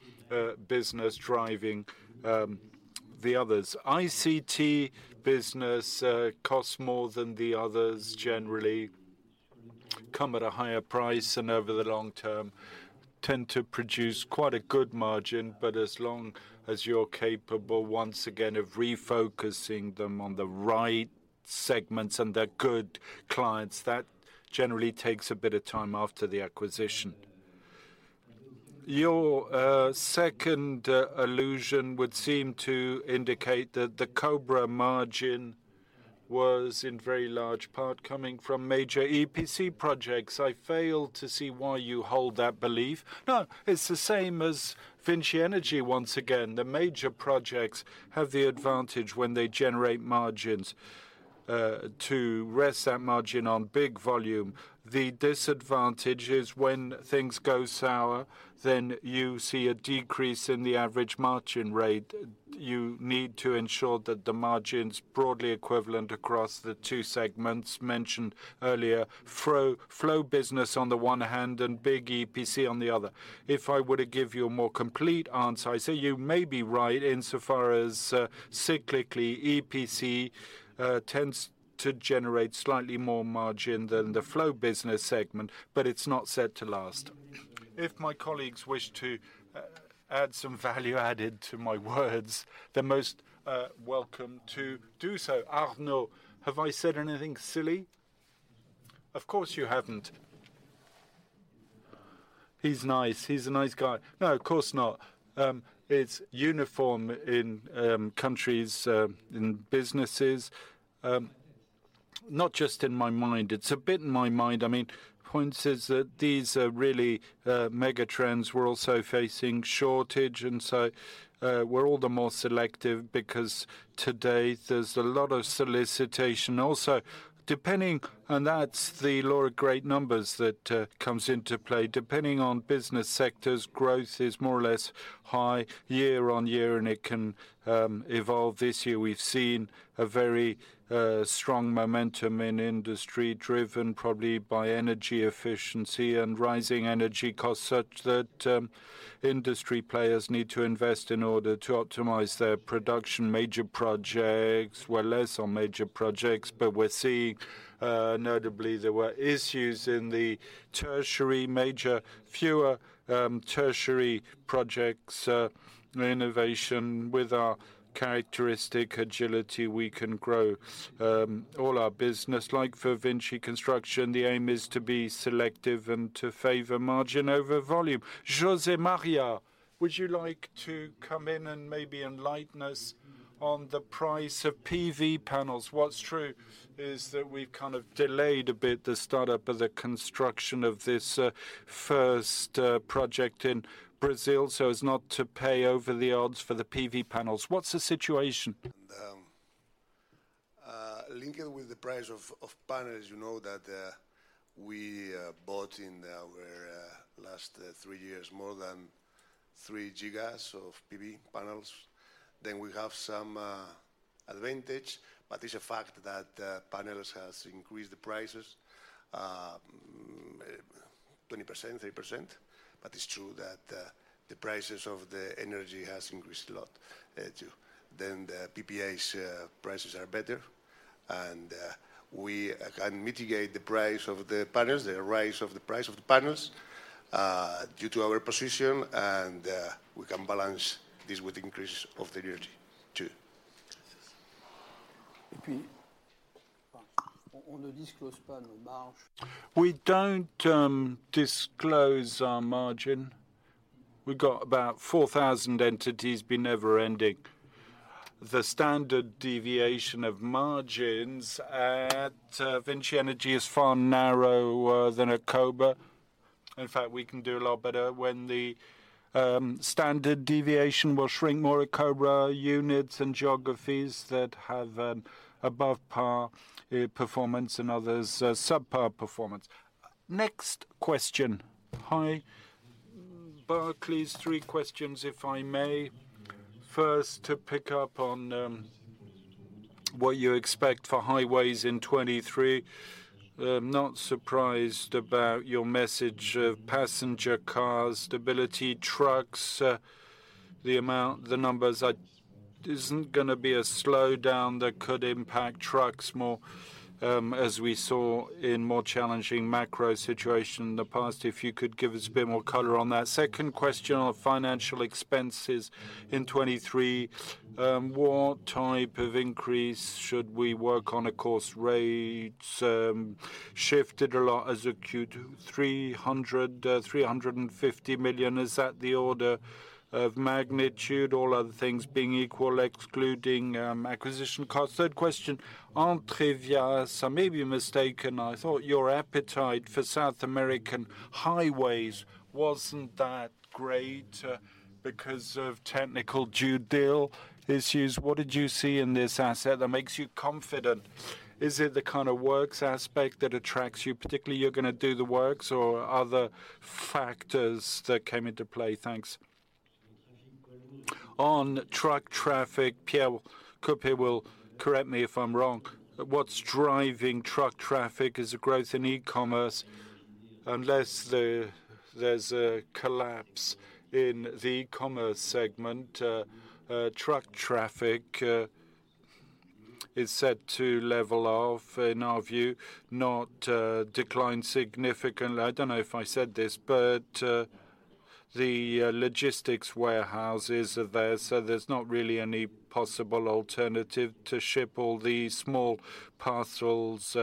business driving the others. ICT business costs more than the others generally. Come at a higher price and over the long term tend to produce quite a good margin. As long as you're capable, once again, of refocusing them on the right segments and they're good clients, that generally takes a bit of time after the acquisition. Your second allusion would seem to indicate that the Cobra margin was in very large part coming from major EPC projects. I fail to see why you hold that belief. No, it's the same as VINCI Energies once again. The major projects have the advantage when they generate margins to rest that margin on big volume. The disadvantage is when things go sour, then you see a decrease in the average margin rate. You need to ensure that the margin's broadly equivalent across the two segments mentioned earlier, flow business on the one hand and big EPC on the other. If I were to give you a more complete answer, I'd say you may be right insofar as cyclically, EPC tends to generate slightly more margin than the flow business segment, but it's not set to last. If my colleagues wish to add some value added to my words, they're most welcome to do so. Xavier, have I said anything silly? Of course, you haven't. He's nice. He's a nice guy. No, of course not. It's uniform in countries, in businesses, not just in my mind. It's a bit in my mind. I mean, point is that these are really mega trends. We're also facing shortage, we're all the more selective because today there's a lot of solicitation. That's the law of great numbers that comes into play. Depending on business sectors, growth is more or less high year-on-year, it can evolve. This year, we've seen a very strong momentum in industry driven probably by energy efficiency and rising energy costs such that industry players need to invest in order to optimize their production. Major projects, we're less on major projects, we're seeing notably there were issues in the tertiary, fewer tertiary projects. Innovation with our characteristic agility, we can grow all our business. Like for VINCI Construction, the aim is to be selective and to favor margin over volume. José María, would you like to come in and maybe enlighten us on the price of PV panels? What's true is that we've kind of delayed a bit the startup of the construction of this, first, project in Brazil, so as not to pay over the odds for the PV panels. What's the situation? Linking with the price of panels, you know that we bought in our last three years more than three gigas of PV panels. We have some advantage, but it's a fact that panels has increased the prices 20%, 3%. It's true that the prices of the energy has increased a lot too. The PPAs prices are better, and we can mitigate the price of the panels, the rise of the price of the panels, due to our position, and we can balance this with increase of the energy too. We don't disclose our margin. We've got about 4,000 entities, it'd be never-ending. The standard deviation of margins at VINCI Energies is far narrower than at Cobra. In fact, we can do a lot better when the standard deviation will shrink more at Cobra. Units and geographies that have an above par performance and others subpar performance. Next question. Hi. Barclays, 3 questions, if I may. First, to pick up on what you expect for highways in 2023. Not surprised about your message of passenger car stability. Trucks, isn't gonna be a slowdown that could impact trucks more, as we saw in more challenging macro situation in the past. If you could give us a bit more color on that. Second question on financial expenses in 2023. What type of increase should we work on? Of course, rates shifted a lot as acute. 350 million, is that the order of magnitude, all other things being equal, excluding acquisition costs? Third question, Autovia. I may be mistaken. I thought your appetite for South American highways wasn't that great because of technical due dill issues. What did you see in this asset that makes you confident? Is it the kind of works aspect that attracts you, particularly you're gonna do the works or other factors that came into play? Thanks. On truck traffic, Pierre Coppey will correct me if I'm wrong. What's driving truck traffic is the growth in e-commerce. Unless there's a collapse in the e-commerce segment, truck traffic is set to level off in our view, not decline significantly. I don't know if I said this, but the logistics warehouses are there. There's not really any possible alternative to ship all the small parcels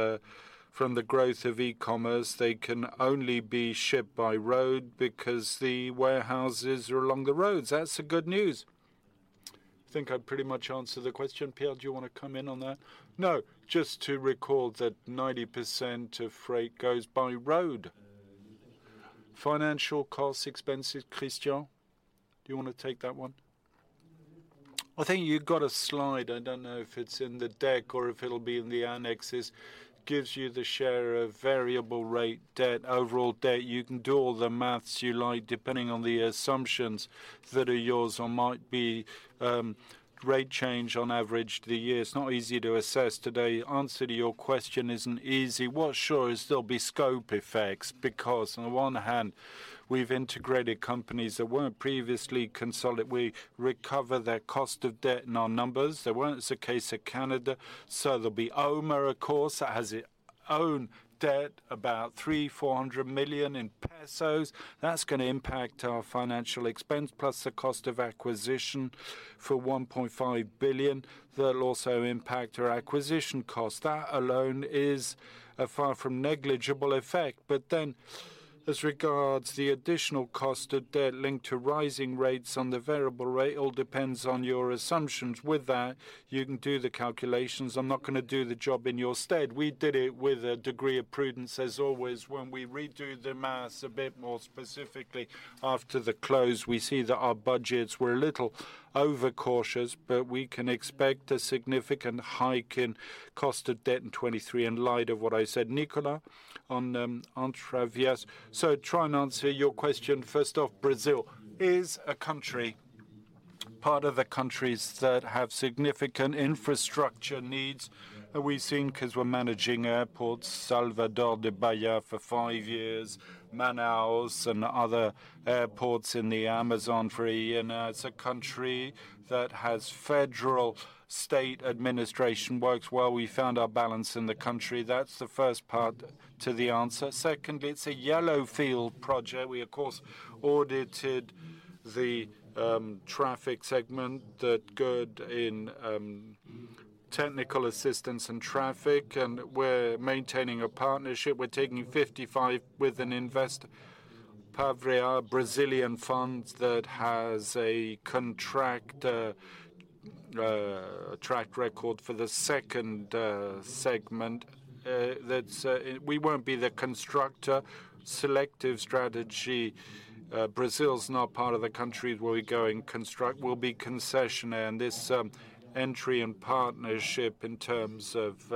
from the growth of e-commerce. They can only be shipped by road because the warehouses are along the roads. That's the good news. I think I pretty much answered the question. Pierre, do you wanna come in on that? No. Just to recall that 90% of freight goes by road. Financial cost, expenses. Christian, do you wanna take that one? I think you've got a slide. I don't know if it's in the deck or if it'll be in the annexes. Gives you the share of variable rate debt, overall debt. You can do all the math you like, depending on the assumptions that are yours or might be rate change on average through the year. It's not easy to assess today. Answer to your question isn't easy. What's sure is there'll be scope effects because on the one hand, we've integrated companies that weren't previously. We recover their cost of debt in our numbers. There weren't a case of Canada, so there'll be OMERS, of course, that has its own debt, about 300 million-400 million pesos. That's gonna impact our financial expense, plus the cost of acquisition for 1.5 billion. That'll also impact our acquisition cost. That alone is a far from negligible effect. As regards the additional cost of debt linked to rising rates on the variable rate, all depends on your assumptions. With that, you can do the calculations. I'm not gonna do the job in your stead. We did it with a degree of prudence as always. When we redo the maths a bit more specifically after the close, we see that our budgets were a little overcautious, but we can expect a significant hike in cost of debt in 23 in light of what I said. Nicolas on Entrevias. Try and answer your question. First off, Brazil is a country, part of the countries that have significant infrastructure needs. We've seen 'cause we're managing airports, Salvador de Bahia for five years, Manaus and other airports in the Amazon for one year now. It's a country that has federal state administration, works well. We found our balance in the country. That's the first part to the answer. Secondly, it's a yellow field project. We of course, audited the traffic segment that good in technical assistance and traffic, and we're maintaining a partnership. We're taking 55 with an invest Pátria, a Brazilian fund that has a contract, track record for the second segment. That's. We won't be the constructor. Selective strategy. Brazil is not part of the countries where we're going construct. We'll be concessionaire, and this entry and partnership in terms of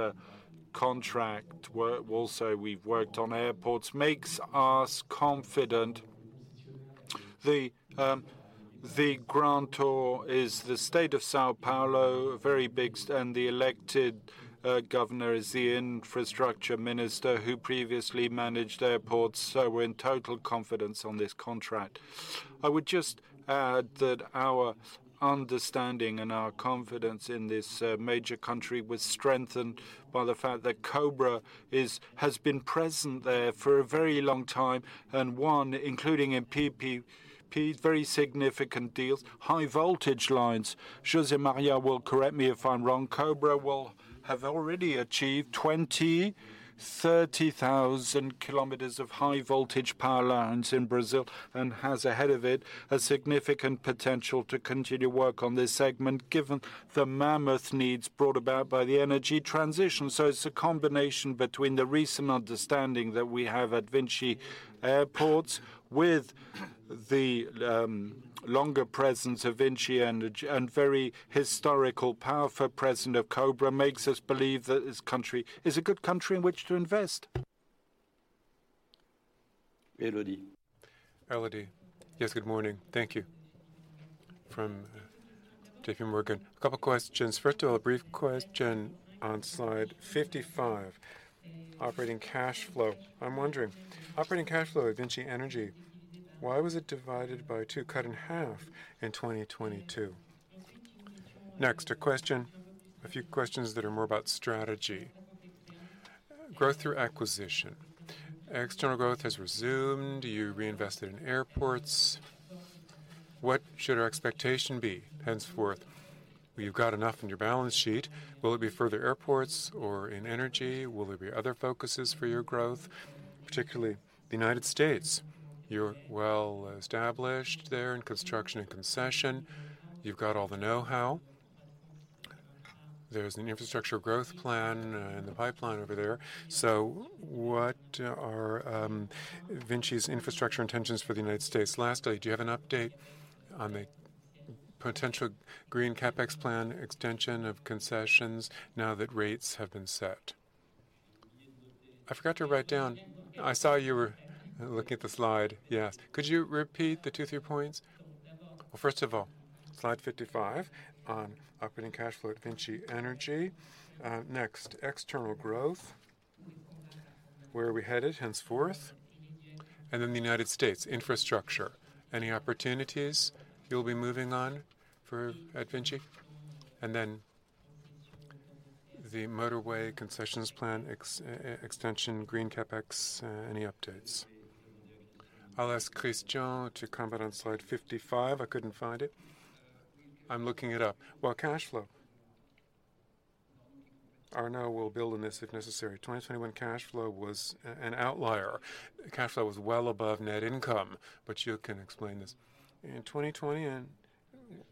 contract work. Also, we've worked on airports, makes us confident. The grantor is the state of São Paulo, very big, and the elected governor is the infrastructure minister who previously managed airports, so we're in total confidence on this contract. I would just add that our understanding and our confidence in this major country was strengthened by the fact that Cobra IS has been present there for a very long time, and one, including in PPP, very significant deals, high voltage lines. José María will correct me if I'm wrong. Cobra will have already achieved 20,000-30,000 kilometers of high voltage power lines in Brazil and has ahead of it a significant potential to continue work on this segment, given the mammoth needs brought about by the energy transition. It's a combination between the recent understanding that we have at VINCI Airports with the longer presence of VINCI and the very historical powerful president of Cobra makes us believe that this country is a good country in which to invest. Elodie. Yes, good morning. Thank you. From J.P. Morgan. A couple questions. First of all, a brief question on slide 55, operating cash flow. I'm wondering, operating cash flow at VINCI Energies, why was it divided by two, cut in half in 2022? A few questions that are more about strategy. Growth through acquisition. External growth has resumed. You reinvested in airports. What should our expectation be henceforth? Well, you've got enough in your balance sheet. Will it be further airports or in energy? Will there be other focuses for your growth, particularly United States? You're well established there in construction and concession. You've got all the know-how. There's an infrastructure growth plan in the pipeline over there. So what are VINCI's infrastructure intentions for the United States? Lastly, do you have an update on the potential green CapEx plan extension of concessions now that rates have been set? I forgot to write down. I saw you were looking at the slide. Yes. Could you repeat the 2, 3 points? Well, first of all, slide 55 on operating cash flow at VINCI Energies. Next, external growth. Where are we headed henceforth? The United States infrastructure, any opportunities you'll be moving on for at VINCI? The motorway concessions plan extension, green CapEx, any updates? I'll ask Christian to comment on slide 55. I couldn't find it. I'm looking it up. Well, cash flow. Arnaud will build on this if necessary. 2021 cash flow was an outlier. Cash flow was well above net income, but you can explain this. In 2020,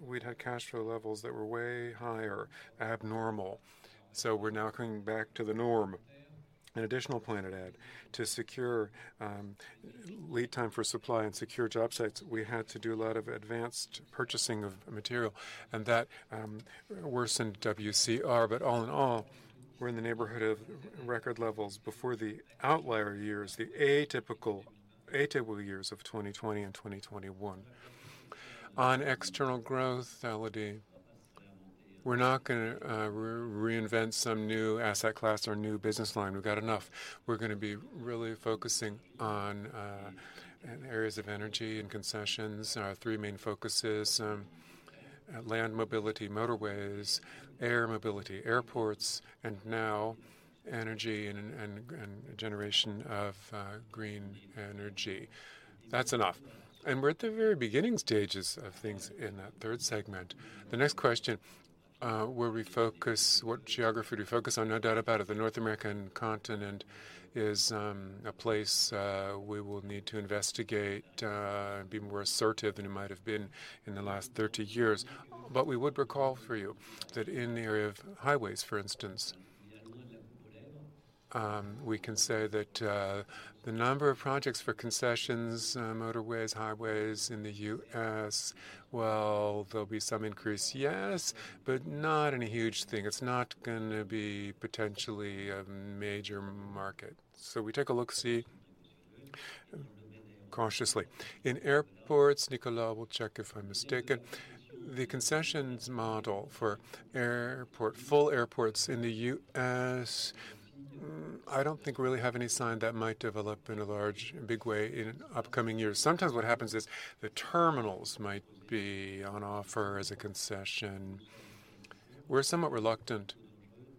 we'd had cash flow levels that were way higher, abnormal. We're now coming back to the norm. An additional point I'd add, to secure lead time for supply and secure job sites, we had to do a lot of advanced purchasing of material, and that worsened WCR. All in all, we're in the neighborhood of record levels before the outlier years, the atypical years of 2020 and 2021. On external growth, Elodie, we're not gonna reinvent some new asset class or new business line. We've got enough. We're gonna be really focusing on areas of energy and concessions. Our three main focuses, land mobility, motorways, air mobility, airports, and now energy and generation of green energy. That's enough. We're at the very beginning stages of things in that third segment. The next question, what geography do we focus on? No doubt about it, the North American continent is a place we will need to investigate, be more assertive than it might have been in the last 30 years. We would recall for you that in the area of highways, for instance, we can say that the number of projects for concessions, motorways, highways in the U.S., well, there'll be some increase, yes, but not any huge thing. It's not gonna be potentially a major market. We take a look-see cautiously. In airports, Nicolas will check if I'm mistaken. The concessions model for airport, full airports in the U.S., I don't think we really have any sign that might develop in a large, big way in upcoming years. Sometimes what happens is the terminals might be on offer as a concession. We're somewhat reluctant.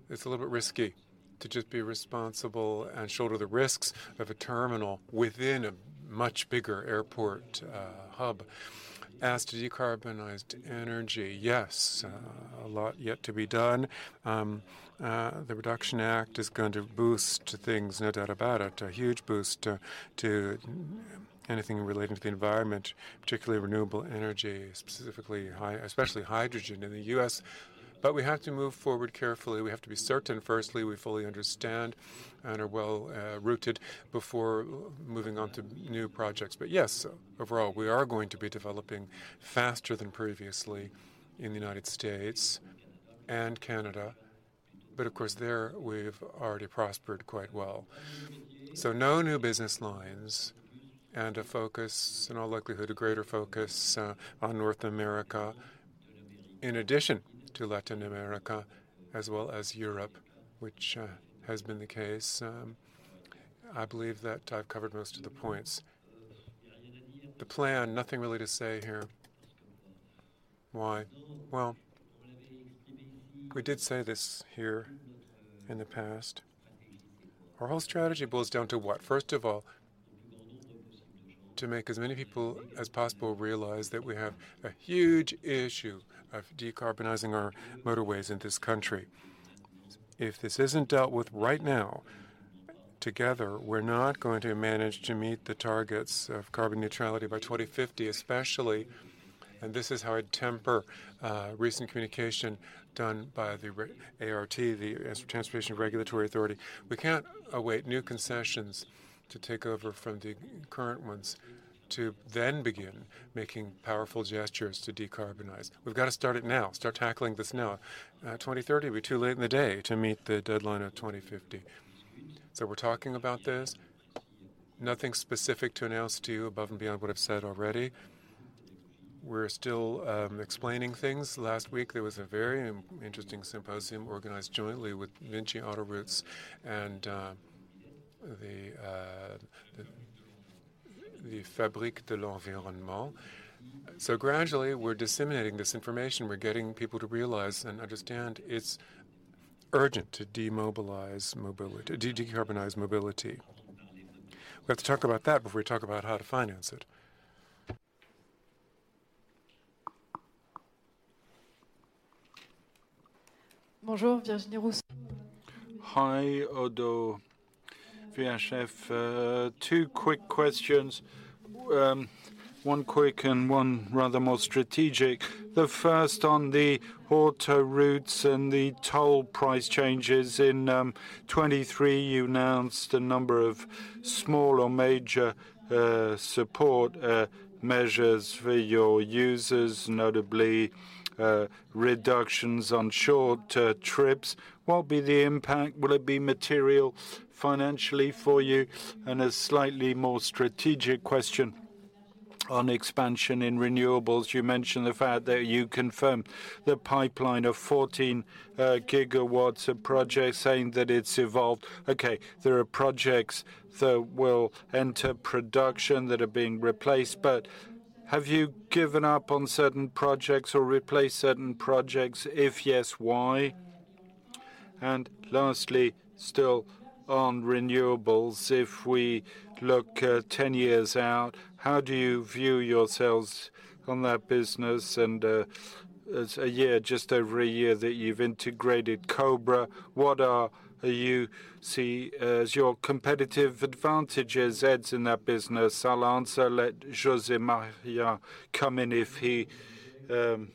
It's a little bit risky to just be responsible and shoulder the risks of a terminal within a much bigger airport hub. As to decarbonized energy, yes, a lot yet to be done. The Reduction Act is going to boost things, no doubt about it, a huge boost to anything relating to the environment, particularly renewable energy, especially hydrogen in the U.S. We have to move forward carefully. We have to be certain, firstly, we fully understand and are well rooted before moving on to new projects. Yes, overall, we are going to be developing faster than previously in the United States and Canada. Of course, there we've already prospered quite well. So no new business lines and a focus, in all likelihood, a greater focus on North America in addition to Latin America as well as Europe, which has been the case. I believe that I've covered most of the points. The plan, nothing really to say here. Why? Well, we did say this here in the past. Our whole strategy boils down to what? First of all, to make as many people as possible realize that we have a huge issue of decarbonizing our motorways in this country. If this isn't dealt with right now, together, we're not going to manage to meet the targets of carbon neutrality by 2050, especially, and this is how I'd temper recent communication done by the ART, the Transportation Regulatory Authority. We can't await new concessions to take over from the current ones to then begin making powerful gestures to decarbonize. We've got to start it now. Start tackling this now. 2030 will be too late in the day to meet the deadline of 2050. We're talking about this. Nothing specific to announce to you above and beyond what I've said already. We're still explaining things. Last week, there was a very interesting symposium organized jointly with VINCI Autoroutes and the Fabrique de l'Environnement. Gradually, we're disseminating this information. We're getting people to realize and understand it's urgent to decarbonize mobility. We have to talk about that before we talk about how to finance it. Bonjour. Virginie Rousseau. Hi, Oddo BHF. Two quick questions. One quick and one rather more strategic. The first on the autoroutes and the toll price changes. In 23, you announced a number of small or major support measures for your users, notably reductions on short trips. What will be the impact? Will it be material financially for you? A slightly more strategic question. On expansion in renewables, you mentioned the fact that you confirmed the pipeline of 14 GW of projects, saying that it's evolved. Okay. There are projects that will enter production that are being replaced, have you given up on certain projects or replaced certain projects? If yes, why? Lastly, still on renewables, if we look 10 years out, how do you view yourselves on that business? As a year, just over a year that you've integrated Cobra, do you see as your competitive advantages, Ed's in that business? I'll answer. Let José María come in if he wants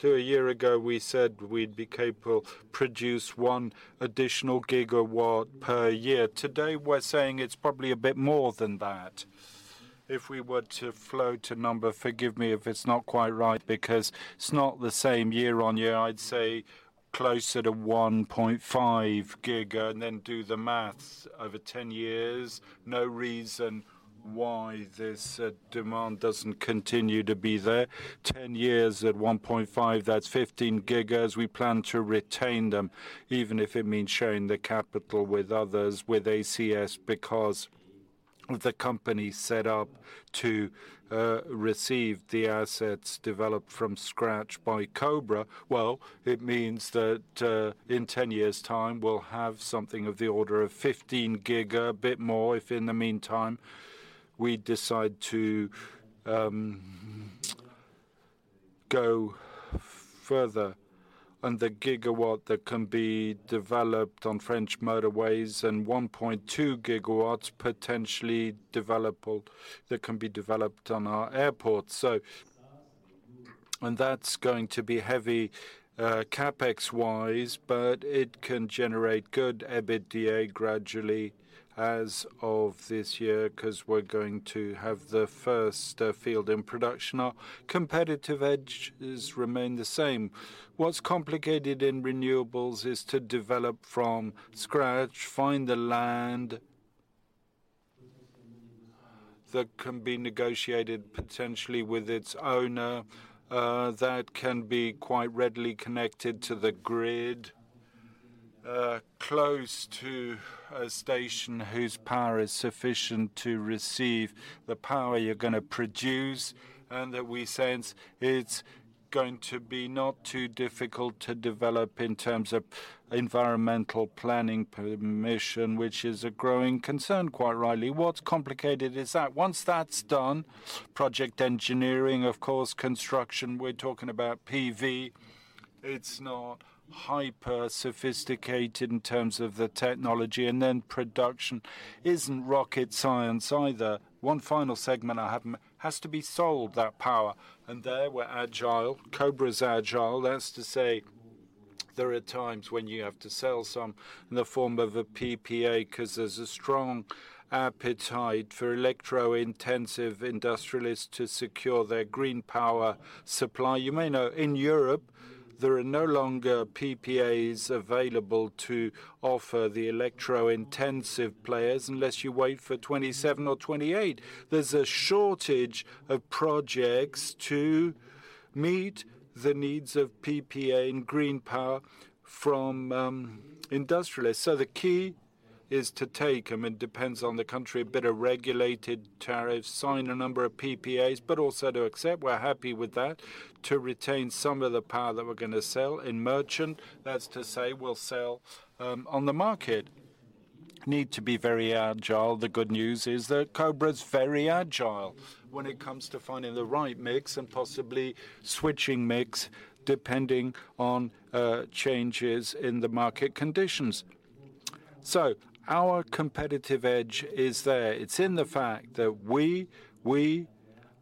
to. A year ago, we said we'd be capable produce 1 additional GW per year. Today, we're saying it's probably a bit more than that. If we were to float a number, forgive me if it's not quite right because it's not the same year on year. I'd say closer to 1.5 GW and then do the math over 10 years. No reason why this demand doesn't continue to be there. 10 years at 1.5, that's 15 GW. We plan to retain them, even if it means sharing the capital with others, with ACS, because the company set up to receive the assets developed from scratch by Cobra. Well, it means that, in 10 years' time, we'll have something of the order of 15 GW, a bit more if in the meantime we decide to go further on the gigawatt that can be developed on French motorways and 1.2 GW potentially that can be developed on our airports. That's going to be heavy CapEx-wise, but it can generate good EBITDA gradually as of this year 'cause we're going to have the first field in production. Our competitive edge has remained the same. What's complicated in renewables is to develop from scratch, find the land that can be negotiated potentially with its owner, that can be quite readily connected to the grid, close to a station whose power is sufficient to receive the power you're gonna produce, and that we sense it's going to be not too difficult to develop in terms of environmental planning permission, which is a growing concern, quite rightly. What's complicated is that once that's done, project engineering, of course, construction, we're talking about PV. It's not hyper-sophisticated in terms of the technology, and then production isn't rocket science either. One final segment Has to be sold, that power, and there we're agile. Cobra's agile. That's to say, there are times when you have to sell some in the form of a PPA 'cause there's a strong appetite for electro-intensive industrialists to secure their green power supply. You may know, in Europe, there are no longer PPAs available to offer the electro-intensive players unless you wait for 27 or 28. There's a shortage of projects to meet the needs of PPA and green power from industrialists. The key is to take them. It depends on the country, a bit of regulated tariffs, sign a number of PPAs, but also to accept we're happy with that, to retain some of the power that we're gonna sell in merchant. That's to say, we'll sell on the market. Need to be very agile. The good news is that Cobra's very agile when it comes to finding the right mix and possibly switching mix depending on changes in the market conditions. Our competitive edge is there. It's in the fact that we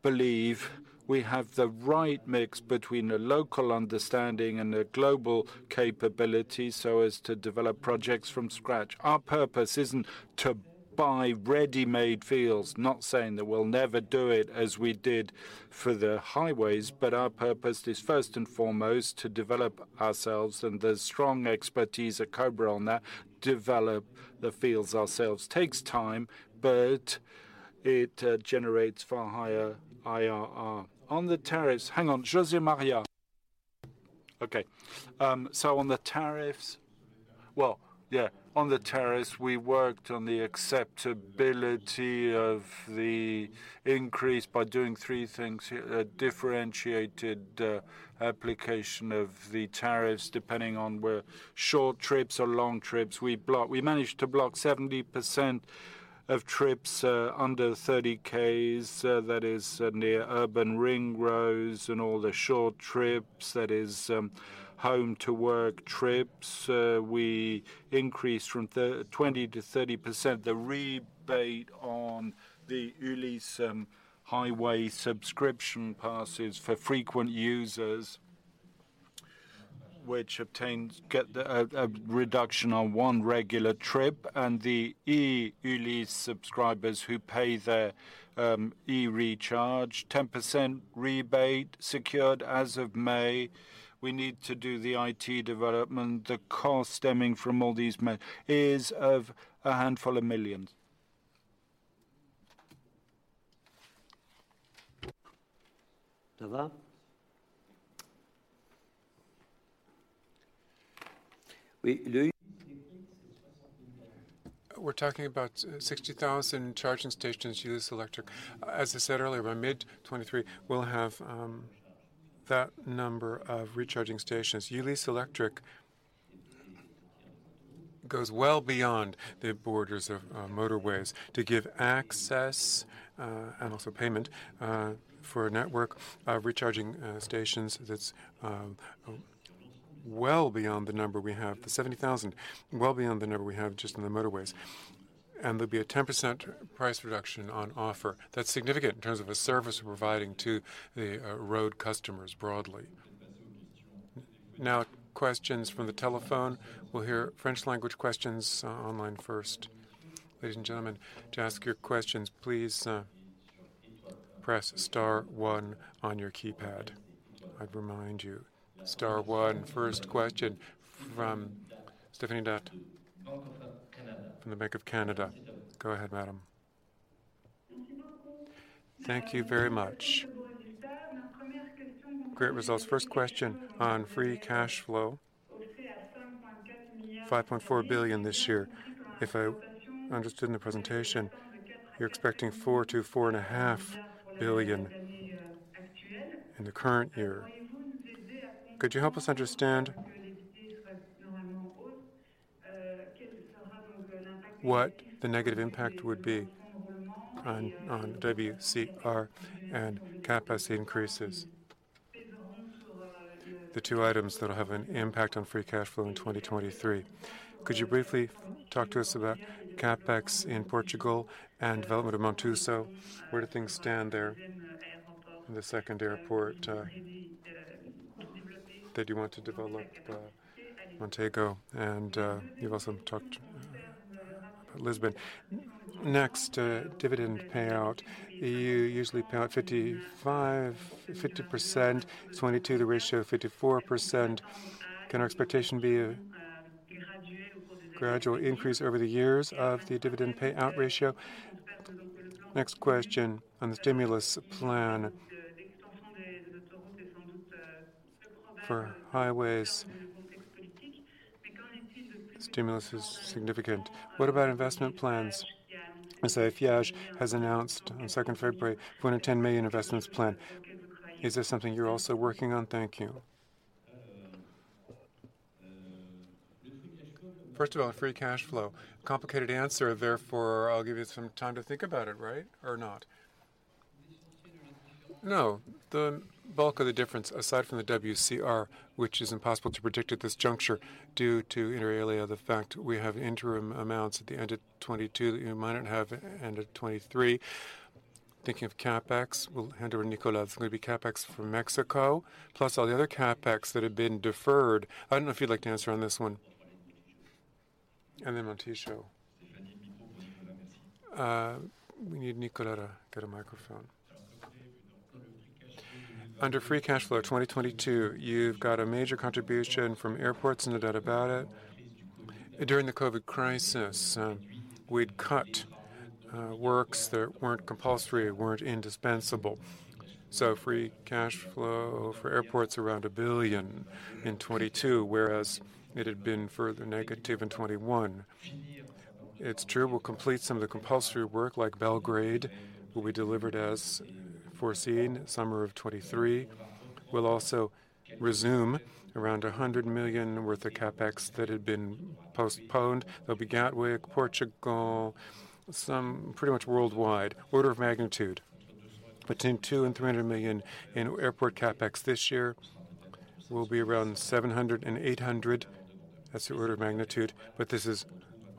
believe we have the right mix between a local understanding and a global capability so as to develop projects from scratch. Our purpose isn't to buy ready-made fields, not saying that we'll never do it as we did for the highways, but our purpose is first and foremost to develop ourselves and the strong expertise at Cobra on that. Develop the fields ourselves takes time, but it generates far higher IRR. Hang on. José María. Okay. Well, yeah, on the tariffs, we worked on the acceptability of the increase by doing three things. Differentiated application of the tariffs depending on were short trips or long trips. We managed to block 70% of trips under 30 km, that is, near urban ring roads and all the short trips, that is, home-to-work trips. We increased from 20%-30% the rebate on the Ulys highway subscription passes for frequent users which get the a reduction on one regular trip, and the e-Ulys subscribers who pay their E-recharge, 10% rebate secured as of May. We need to do the IT development. The cost stemming from all these is of a handful of millions. We're talking about 60,000 charging stations, Ulys Electric. As I said earlier, by mid 2023, we'll have that number of recharging stations. Ulys Electric goes well beyond the borders of motorways to give access and also payment for a network of recharging stations that's well beyond the number we have, the 70,000, well beyond the number we have just in the motorways. There'll be a 10% price reduction on offer. That's significant in terms of a service we're providing to the road customers broadly. Questions from the telephone. We'll hear French language questions on line first. Ladies and gentlemen, to ask your questions, please press star one on your keypad. I'd remind you, star one. First question from Stéphanie D'Ath from Bank of Canada. Go ahead, madam. Thank you very much. Great results. First question on free cashflow, 5.4 billion this year. If I understood in the presentation, you're expecting 4 billion-4.5 billion in the current year. Could you help us understand what the negative impact would be on WCR and CapEx increases? The two items that'll have an impact on free cashflow in 2023. Could you briefly talk to us about CapEx in Portugal and development of Montijo? Where do things stand there in the second airport that you want to develop, Montego, and you've also talked about Lisbon. Next, dividend payout. You usually pay out 55%, 50%. 2022, the ratio 54%. Can our expectation be a gradual increase over the years of the dividend payout ratio? Next question on the stimulus plan for highways. Stimulus is significant. What about investment plans, as if FIAAGE has announced on 2nd February 110 million investments plan. Is this something you're also working on? Thank you. First of all, free cash flow. Complicated answer, therefore, I'll give you some time to think about it, right? Or not? No, the bulk of the difference, aside from the WCR, which is impossible to predict at this juncture due to, inter alia, the fact we have interim amounts at the end of 2022 that you might not have at end of 2023. Thinking of CapEx, we'll hand over to Nicolas. It's gonna be CapEx for Mexico, plus all the other CapEx that have been deferred. I don't know if you'd like to answer on this one. Then Montijo. We need Nicolas to get a microphone. Free cash flow 2022, you've got a major contribution from airports, no doubt about it. During the COVID crisis, we'd cut works that weren't compulsory, weren't indispensable. Free cash flow for airports around 1 billion in 2022, whereas it had been further negative in 2021. It's true, we'll complete some of the compulsory work like Belgrade will be delivered as foreseen, summer of 2023. We'll also resume around 100 million worth of CapEx that had been postponed. There'll be Gatwick, Portugal, some pretty much worldwide. Order of magnitude between 200 million and 300 million in airport CapEx this year will be around 700 million and 800 million. That's the order of magnitude. This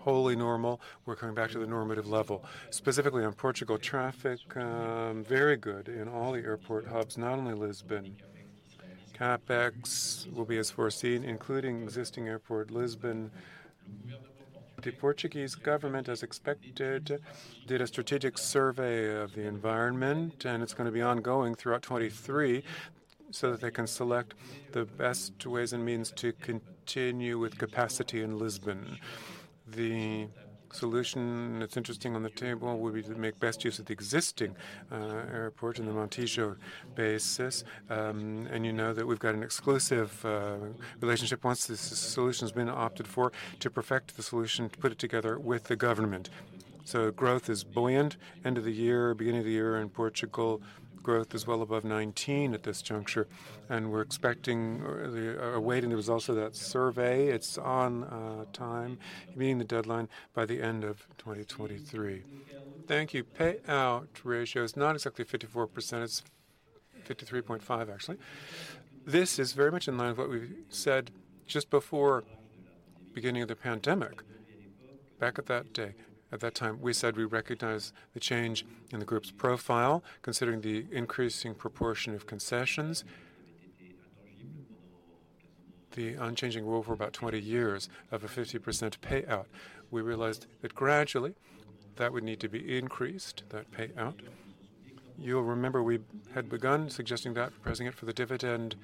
is wholly normal. We're coming back to the normative level. Specifically on Portugal traffic, very good in all the airport hubs, not only Lisbon. CapEx will be as foreseen, including existing airport Lisbon. The Portuguese government, as expected, did a strategic survey of the environment. It's gonna be ongoing throughout 2023, so that they can select the best ways and means to continue with capacity in Lisbon. The solution that's interesting on the table would be to make best use of the existing airport in the Montijo basis. You know that we've got an exclusive relationship once the solution has been opted for to perfect the solution, to put it together with the government. Growth is buoyant. End of the year, beginning of the year in Portugal, growth is well above 19% at this juncture, and we are awaiting the results of that survey. It's on time, meeting the deadline by the end of 2023. Thank you. Payout ratio is not exactly 54%. It's 53.5 actually. This is very much in line with what we said just before beginning of the pandemic. Back at that time, we said we recognize the change in the group's profile considering the increasing proportion of concessions. The unchanging rule for about 20 years of a 50% payout. We realized that gradually that would need to be increased, that payout. You'll remember we had begun suggesting that, proposing it for the dividend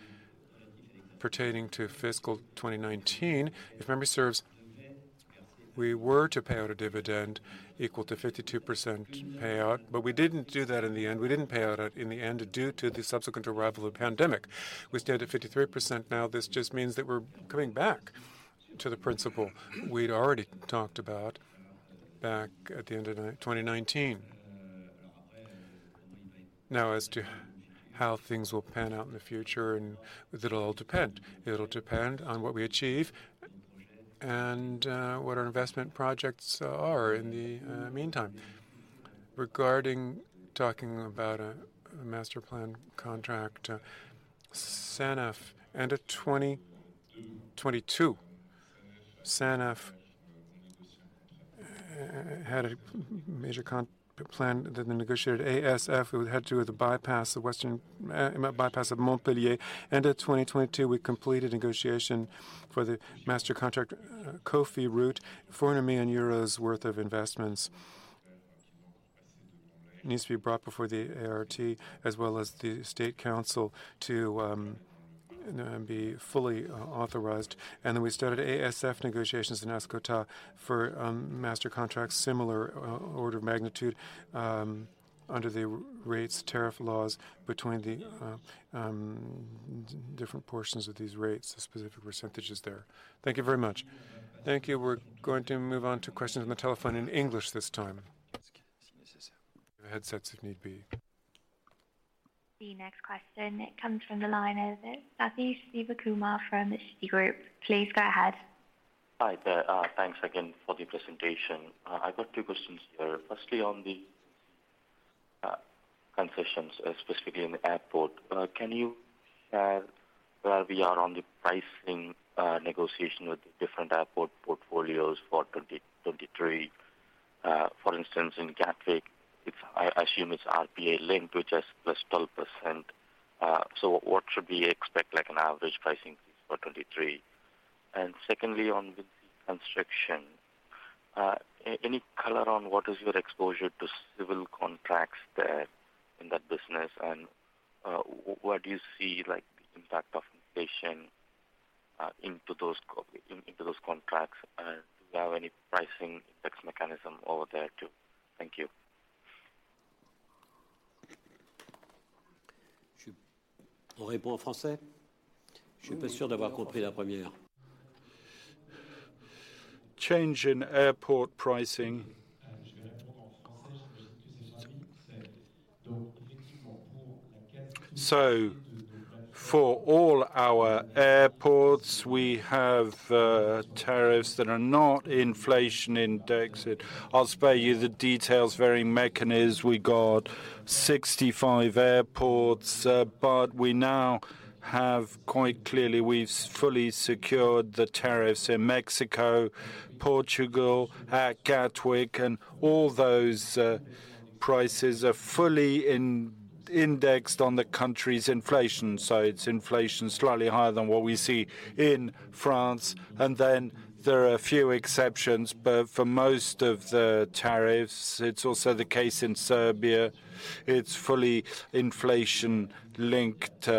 pertaining to fiscal 2019. If memory serves We were to pay out a dividend equal to 52% payout, but we didn't do that in the end. We didn't pay out in the end due to the subsequent arrival of pandemic. We're still at 53% now. This just means that we're coming back to the principle we'd already talked about back at the end of 2019. As to how things will pan out in the future. It'll all depend. It'll depend on what we achieve and what our investment projects are in the meantime. Regarding talking about a master plan contract, SANEF end of 2022. SANEF had a major plan that they negotiated ASF, it had to do with the bypass of western bypass of Montpellier. End of 2022, we completed negotiation for the master contract Cofiroute, 400 million euros worth of investments needs to be brought before the ART as well as the state council to be fully authorized. We started ASF negotiations in Escota for master contracts similar order of magnitude under the rates tariff laws between the different portions of these rates, the specific percentages there. Thank you very much. Thank you. We're going to move on to questions on the telephone in English this time. Headsets if need be. The next question comes from the line of Sathish Sivakumar from Citigroup. Please go ahead. Hi there. Thanks again for the presentation. I've got two questions here. Firstly, on the concessions, specifically in the airport. Can you share where we are on the pricing negotiation with the different airport portfolios for 2023? For instance, in Gatwick, I assume it's RPA linked, which has +12%. What should we expect, like an average pricing for 23? Secondly, on the construction, any color on what is your exposure to civil contracts there in that business and what do you see, like, the impact of inflation into those contracts? Do you have any pricing index mechanism over there too? Thank you. Change in airport pricing. So for all our airports, we have tariffs that are not inflation indexed. I'll spare you the details, very mechanism. We got 65 airports, but we now have quite clearly we've fully secured the tariffs in Mexico, Portugal, at Gatwick, and all those prices are fully inflation-indexed on the country's inflation. It's inflation slightly higher than what we see in France. Then there are a few exceptions, but for most of the tariffs, it's also the case in Serbia. It's fully inflation-linked,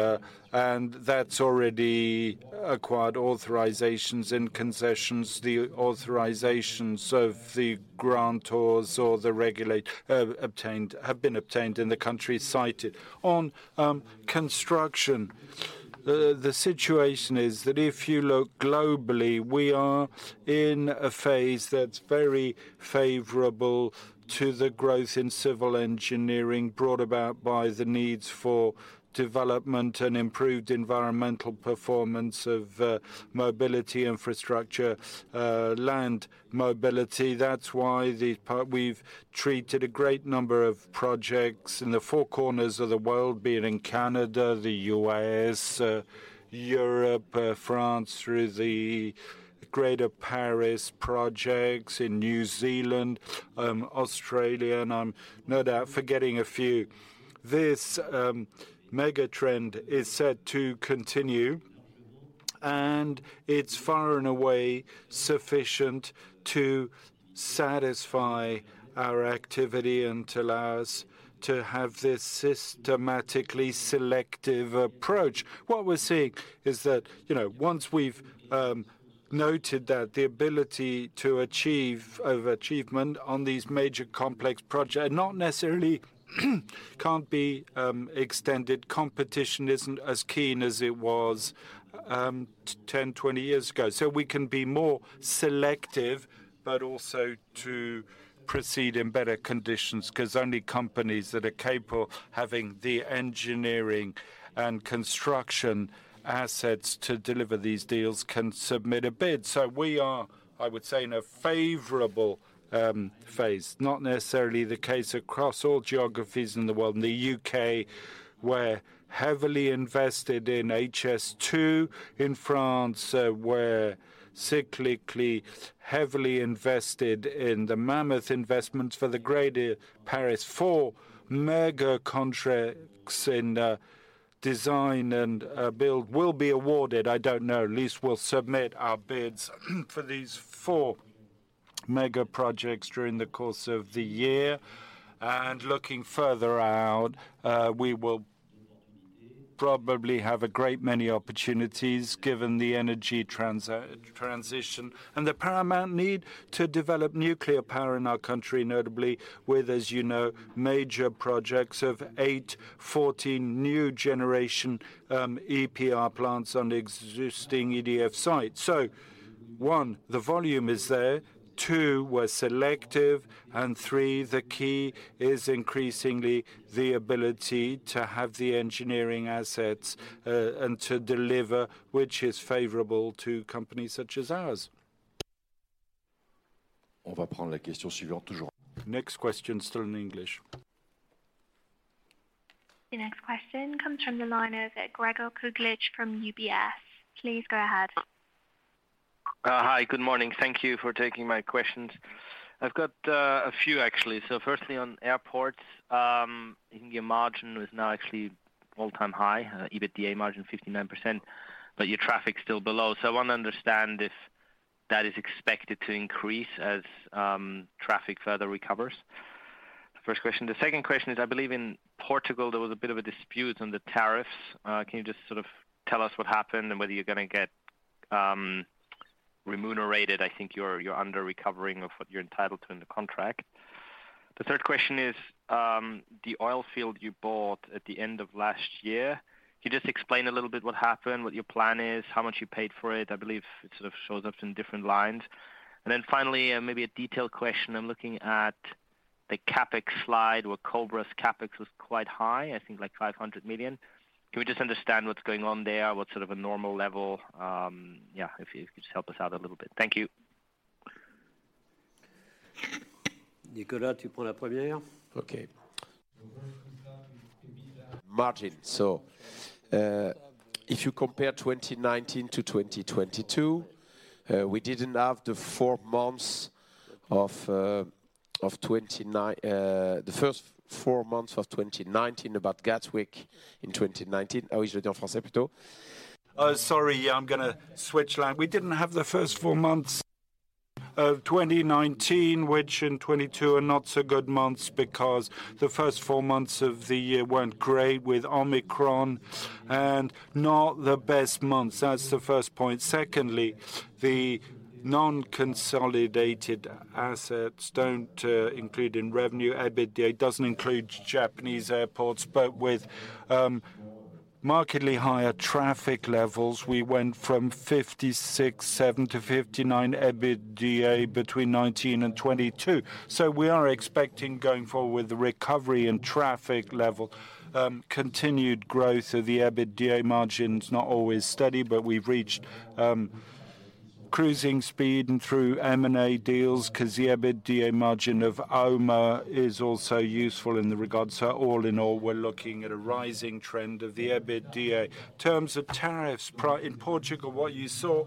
and that's already acquired authorizations and concessions. The authorizations of the grantors or the regulator obtained have been obtained in the countries cited. On construction, the situation is that if you look globally, we are in a phase that's very favorable to the growth in civil engineering brought about by the needs for development and improved environmental performance of mobility infrastructure, land mobility. That's why we've treated a great number of projects in the four corners of the world, be it in Canada, the U.S., Europe, France, through the Greater Paris projects, in New Zealand, Australia, and I'm no doubt forgetting a few. This mega trend is set to continue. It's far and away sufficient to satisfy our activity and to allow us to have this systematically selective approach. What we're seeing is that, you know, once we've noted that the ability to achieve overachievement on these major complex not necessarily can't be extended. Competition isn't as keen as it was, 10, 20 years ago. We can be more selective, but also to proceed in better conditions because only companies that are capable having the engineering and construction assets to deliver these deals can submit a bid. We are, I would say, in a favorable phase, not necessarily the case across all geographies in the world. In the UK, we're heavily invested in HS2. In France, we're cyclically heavily invested in the mammoth investments for the Greater Paris. four mega contracts in design and build will be awarded. I don't know. At least we'll submit our bids for these four mega projects during the course of the year. Looking further out, we will probably have a great many opportunities given the energy transition, and the paramount need to develop nuclear power in our country, notably with, as you know, major projects of eight, 14 new generation, EPR plants on existing EDF sites. One, the volume is there. Two, we're selective. Three, the key is increasingly the ability to have the engineering assets and to deliver, which is favorable to companies such as ours. Next question, still in English. The next question comes from the line of Gregor Kuglitsch from UBS. Please go ahead. Hi, good morning. Thank you for taking my questions. I've got a few actually. Firstly, on airports, I think your margin was now actually all-time high, EBITDA margin 59%, but your traffic's still below. I wanna understand if that is expected to increase as traffic further recovers. First question. The second question is, I believe in Portugal, there was a bit of a dispute on the tariffs. Can you just sort of tell us what happened and whether you're gonna get remunerated? I think you're under-recovering of what you're entitled to in the contract. The third question is, the oil field you bought at the end of last year. Can you just explain a little bit what happened, what your plan is, how much you paid for it? I believe it sort of shows up in different lines. Then finally, maybe a detailed question. I'm looking at the CapEx slide, where Cobra's CapEx was quite high, I think like 500 million. Can we just understand what's going on there? What's sort of a normal level? Yeah, if you could just help us out a little bit. Thank you. Nicolas, Margin. If you compare 2019 to 2022, we didn't have the four months of the first four months of 2019 about Gatwick in 2019. Oh, sorry. Yeah. We didn't have the first four months of 2019, which in 2022 are not so good months because the first four months of the year weren't great with Omicron, and not the best months. That's the first point. Secondly, the non-consolidated assets don't include in revenue. EBITDA doesn't include Japanese airports, but with markedly higher traffic levels, we went from 56.7%-59% EBITDA between 2019 and 2022. We are expecting, going forward with the recovery in traffic level, continued growth of the EBITDA margins, not always steady, but we've reached cruising speed and through M&A deals 'cause the EBITDA margin of OMA is also useful in that regard. All in all, we're looking at a rising trend of the EBITDA. In terms of tariffs in Portugal, what you saw,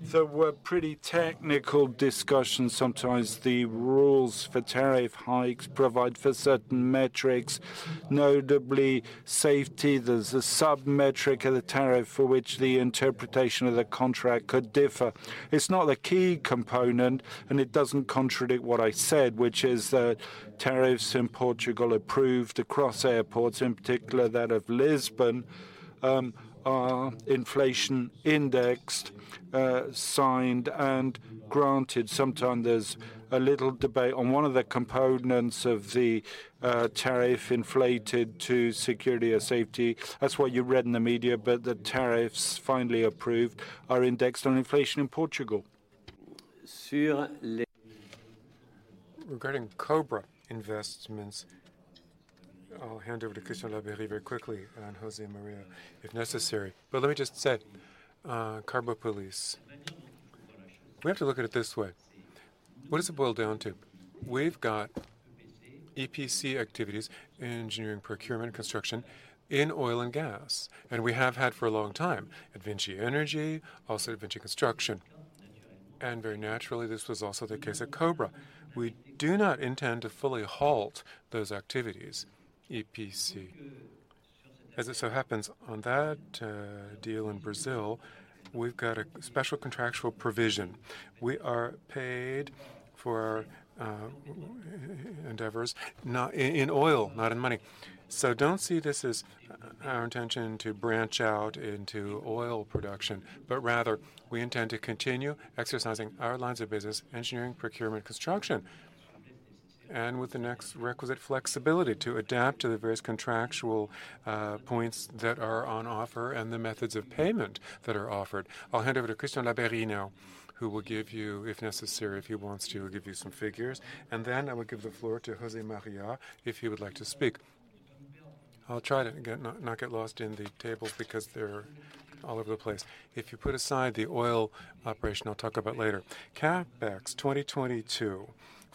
there were pretty technical discussions. Sometimes the rules for tariff hikes provide for certain metrics, notably safety. There's a sub-metric of the tariff for which the interpretation of the contract could differ. It's not a key component, and it doesn't contradict what I said, which is that tariffs in Portugal approved across airports, in particular that of Lisbon, are inflation indexed, signed and granted. Sometimes there's a little debate on one of the components of the tariff inflated to security or safety. That's what you read in the media. The tariffs finally approved are indexed on inflation in Portugal. Regarding Cobra investments, I'll hand over to Christian Labeyrie very quickly and José María if necessary. Let me just set Carbopolis. We have to look at it this way. What does it boil down to? We've got EPC activities, engineering, procurement, construction, in oil and gas, and we have had for a long time, VINCI Energies, also VINCI Construction. Very naturally, this was also the case at Cobra. We do not intend to fully halt those activities, EPC. As it so happens on that deal in Brazil, we've got a special contractual provision. We are paid for endeavors not in oil, not in money. Don't see this as our intention to branch out into oil production, but rather we intend to continue exercising our lines of business, engineering, procurement, construction, and with the next requisite flexibility to adapt to the various contractual points that are on offer and the methods of payment that are offered. I'll hand over to Christian Labeyrie now, who will give you, if necessary, if he wants to, give you some figures. Then I will give the floor to José María if he would like to speak. I'll try not to get lost in the tables because they're all over the place. If you put aside the oil operation I'll talk about later. CapEx 2022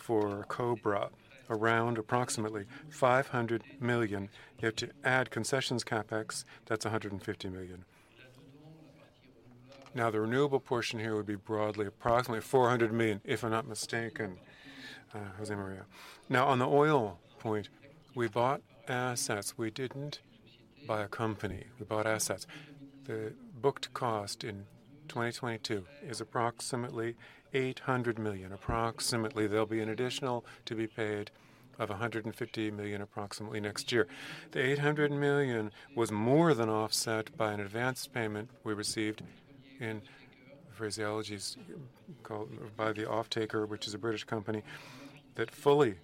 for Cobra, around approximately 500 million. You have to add concessions CapEx, that's 150 million. The renewable portion here would be broadly approximately 400 million, if I'm not mistaken, José María. On the oil point, we bought assets. We didn't buy a company. We bought assets. The booked cost in 2022 is approximately 800 million. Approximately there'll be an additional to be paid of 150 million approximately next year. The 800 million was more than offset by an advance payment we received in phraseologies called by the offtaker, which is a British company that fully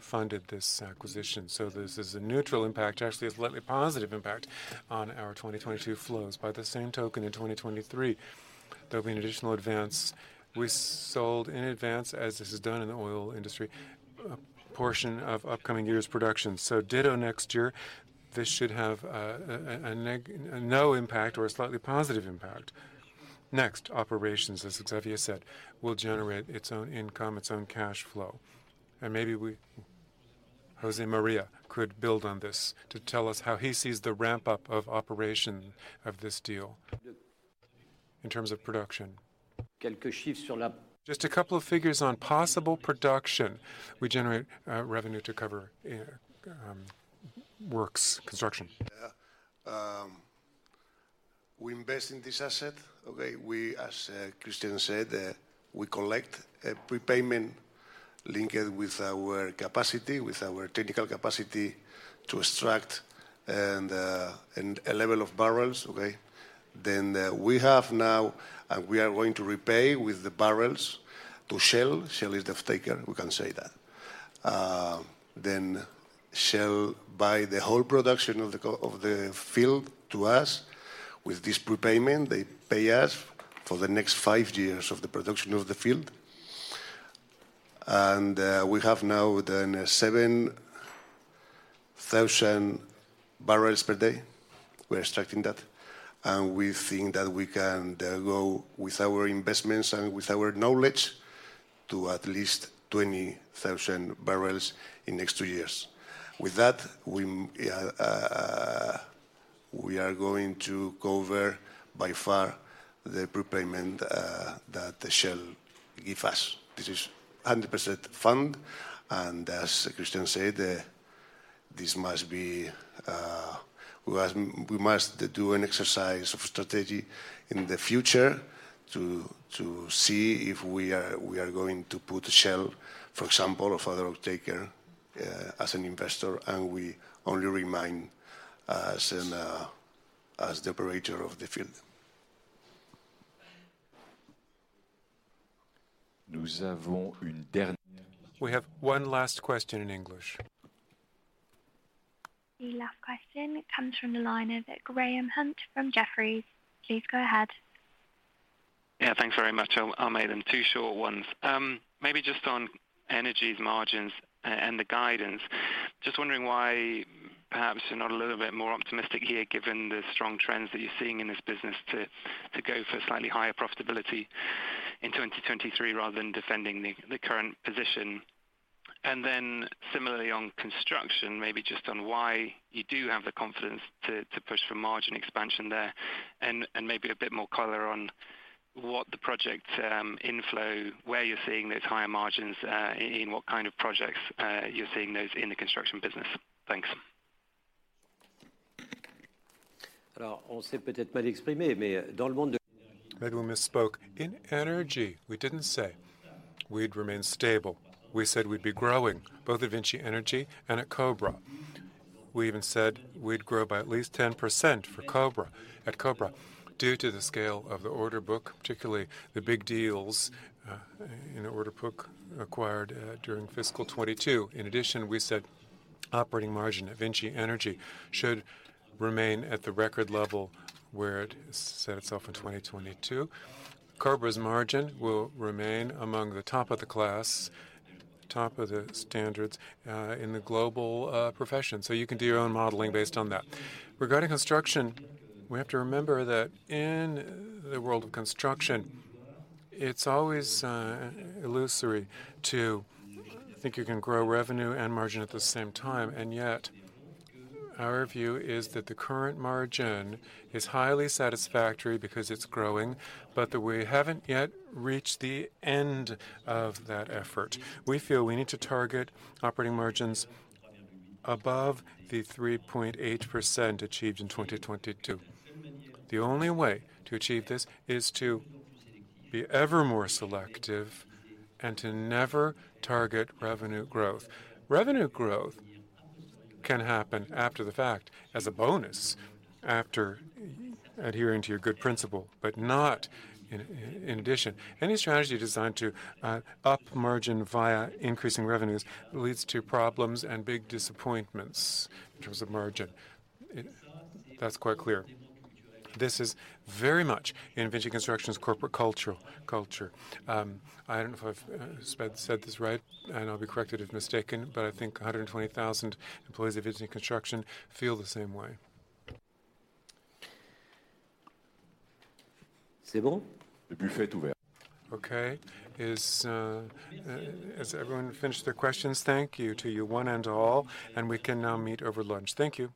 funded this acquisition. This is a neutral impact. Actually, a slightly positive impact on our 2022 flows. By the same token, in 2023, there'll be an additional advance. We sold in advance, as this is done in the oil industry, a portion of upcoming years' production. Ditto next year, this should have no impact or a slightly positive impact. Next, operations, as Xavier said, will generate its own income, its own cash flow. Maybe we, José María could build on this to tell us how he sees the ramp-up of operation of this deal in terms of production. Just a couple of figures on possible production. We generate revenue to cover works, construction. Yeah. We invest in this asset, okay? We, as Christian said, we collect a prepayment linked with our capacity, with our technical capacity to extract and a level of barrels, okay? We have now, and we are going to repay with the barrels to Shell. Shell is the offtaker, we can say that. Shell buy the whole production of the field to us. With this prepayment, they pay us for the next five years of the production of the field. We have now 7,000 barrels per day. We're extracting that. We think that we can go with our investments and with our knowledge to at least 20,000 barrels in next two years. With that, we are going to cover by far the prepayment that Shell give us. This is 100% fund. As Christian said, this must be, we must do an exercise of strategy in the future to see if we are going to put Shell, for example, or further offtaker as an investor, and we only remain as the operator of the field. We have one last question in English. The last question comes from the line of Graham Hunt from Jefferies. Please go ahead. Yeah, thanks very much. I'll make them two short ones. Maybe just on Energies' margins and the guidance. Just wondering why perhaps you're not a little bit more optimistic here, given the strong trends that you're seeing in this business to go for slightly higher profitability in 2023 rather than defending the current position. Similarly on Construction, maybe just on why you do have the confidence to push for margin expansion there, and maybe a bit more color on what the project inflow, where you're seeing those higher margins, in what kind of projects, you're seeing those in the Construction business. Thanks. Maybe we misspoke. In energy, we didn't say we'd remain stable. We said we'd be growing, both at VINCI Energies and at Cobra IS. We even said we'd grow by at least 10% for Cobra IS, at Cobra IS, due to the scale of the order book, particularly the big deals in order book acquired during fiscal 2022. In addition, we said operating margin at VINCI Energies should remain at the record level where it set itself in 2022. Cobra IS's margin will remain among the top of the class, top of the standards, in the global profession. You can do your own modeling based on that. Regarding construction, we have to remember that in the world of construction, it's always illusory to think you can grow revenue and margin at the same time. Yet, our view is that the current margin is highly satisfactory because it's growing, but that we haven't yet reached the end of that effort. We feel we need to target operating margins above the 3.8% achieved in 2022. The only way to achieve this is to be ever more selective and to never target revenue growth. Revenue growth can happen after the fact as a bonus, after adhering to your good principle, but not in addition. Any strategy designed to up margin via increasing revenues leads to problems and big disappointments in terms of margin. That's quite clear. This is very much in VINCI Construction's corporate culture. I don't know if I've said this right, and I'll be corrected if mistaken, but I think 120,000 employees of VINCI Construction feel the same way. Okay. Has everyone finished their questions? Thank you to you one and all. We can now meet over lunch. Thank you.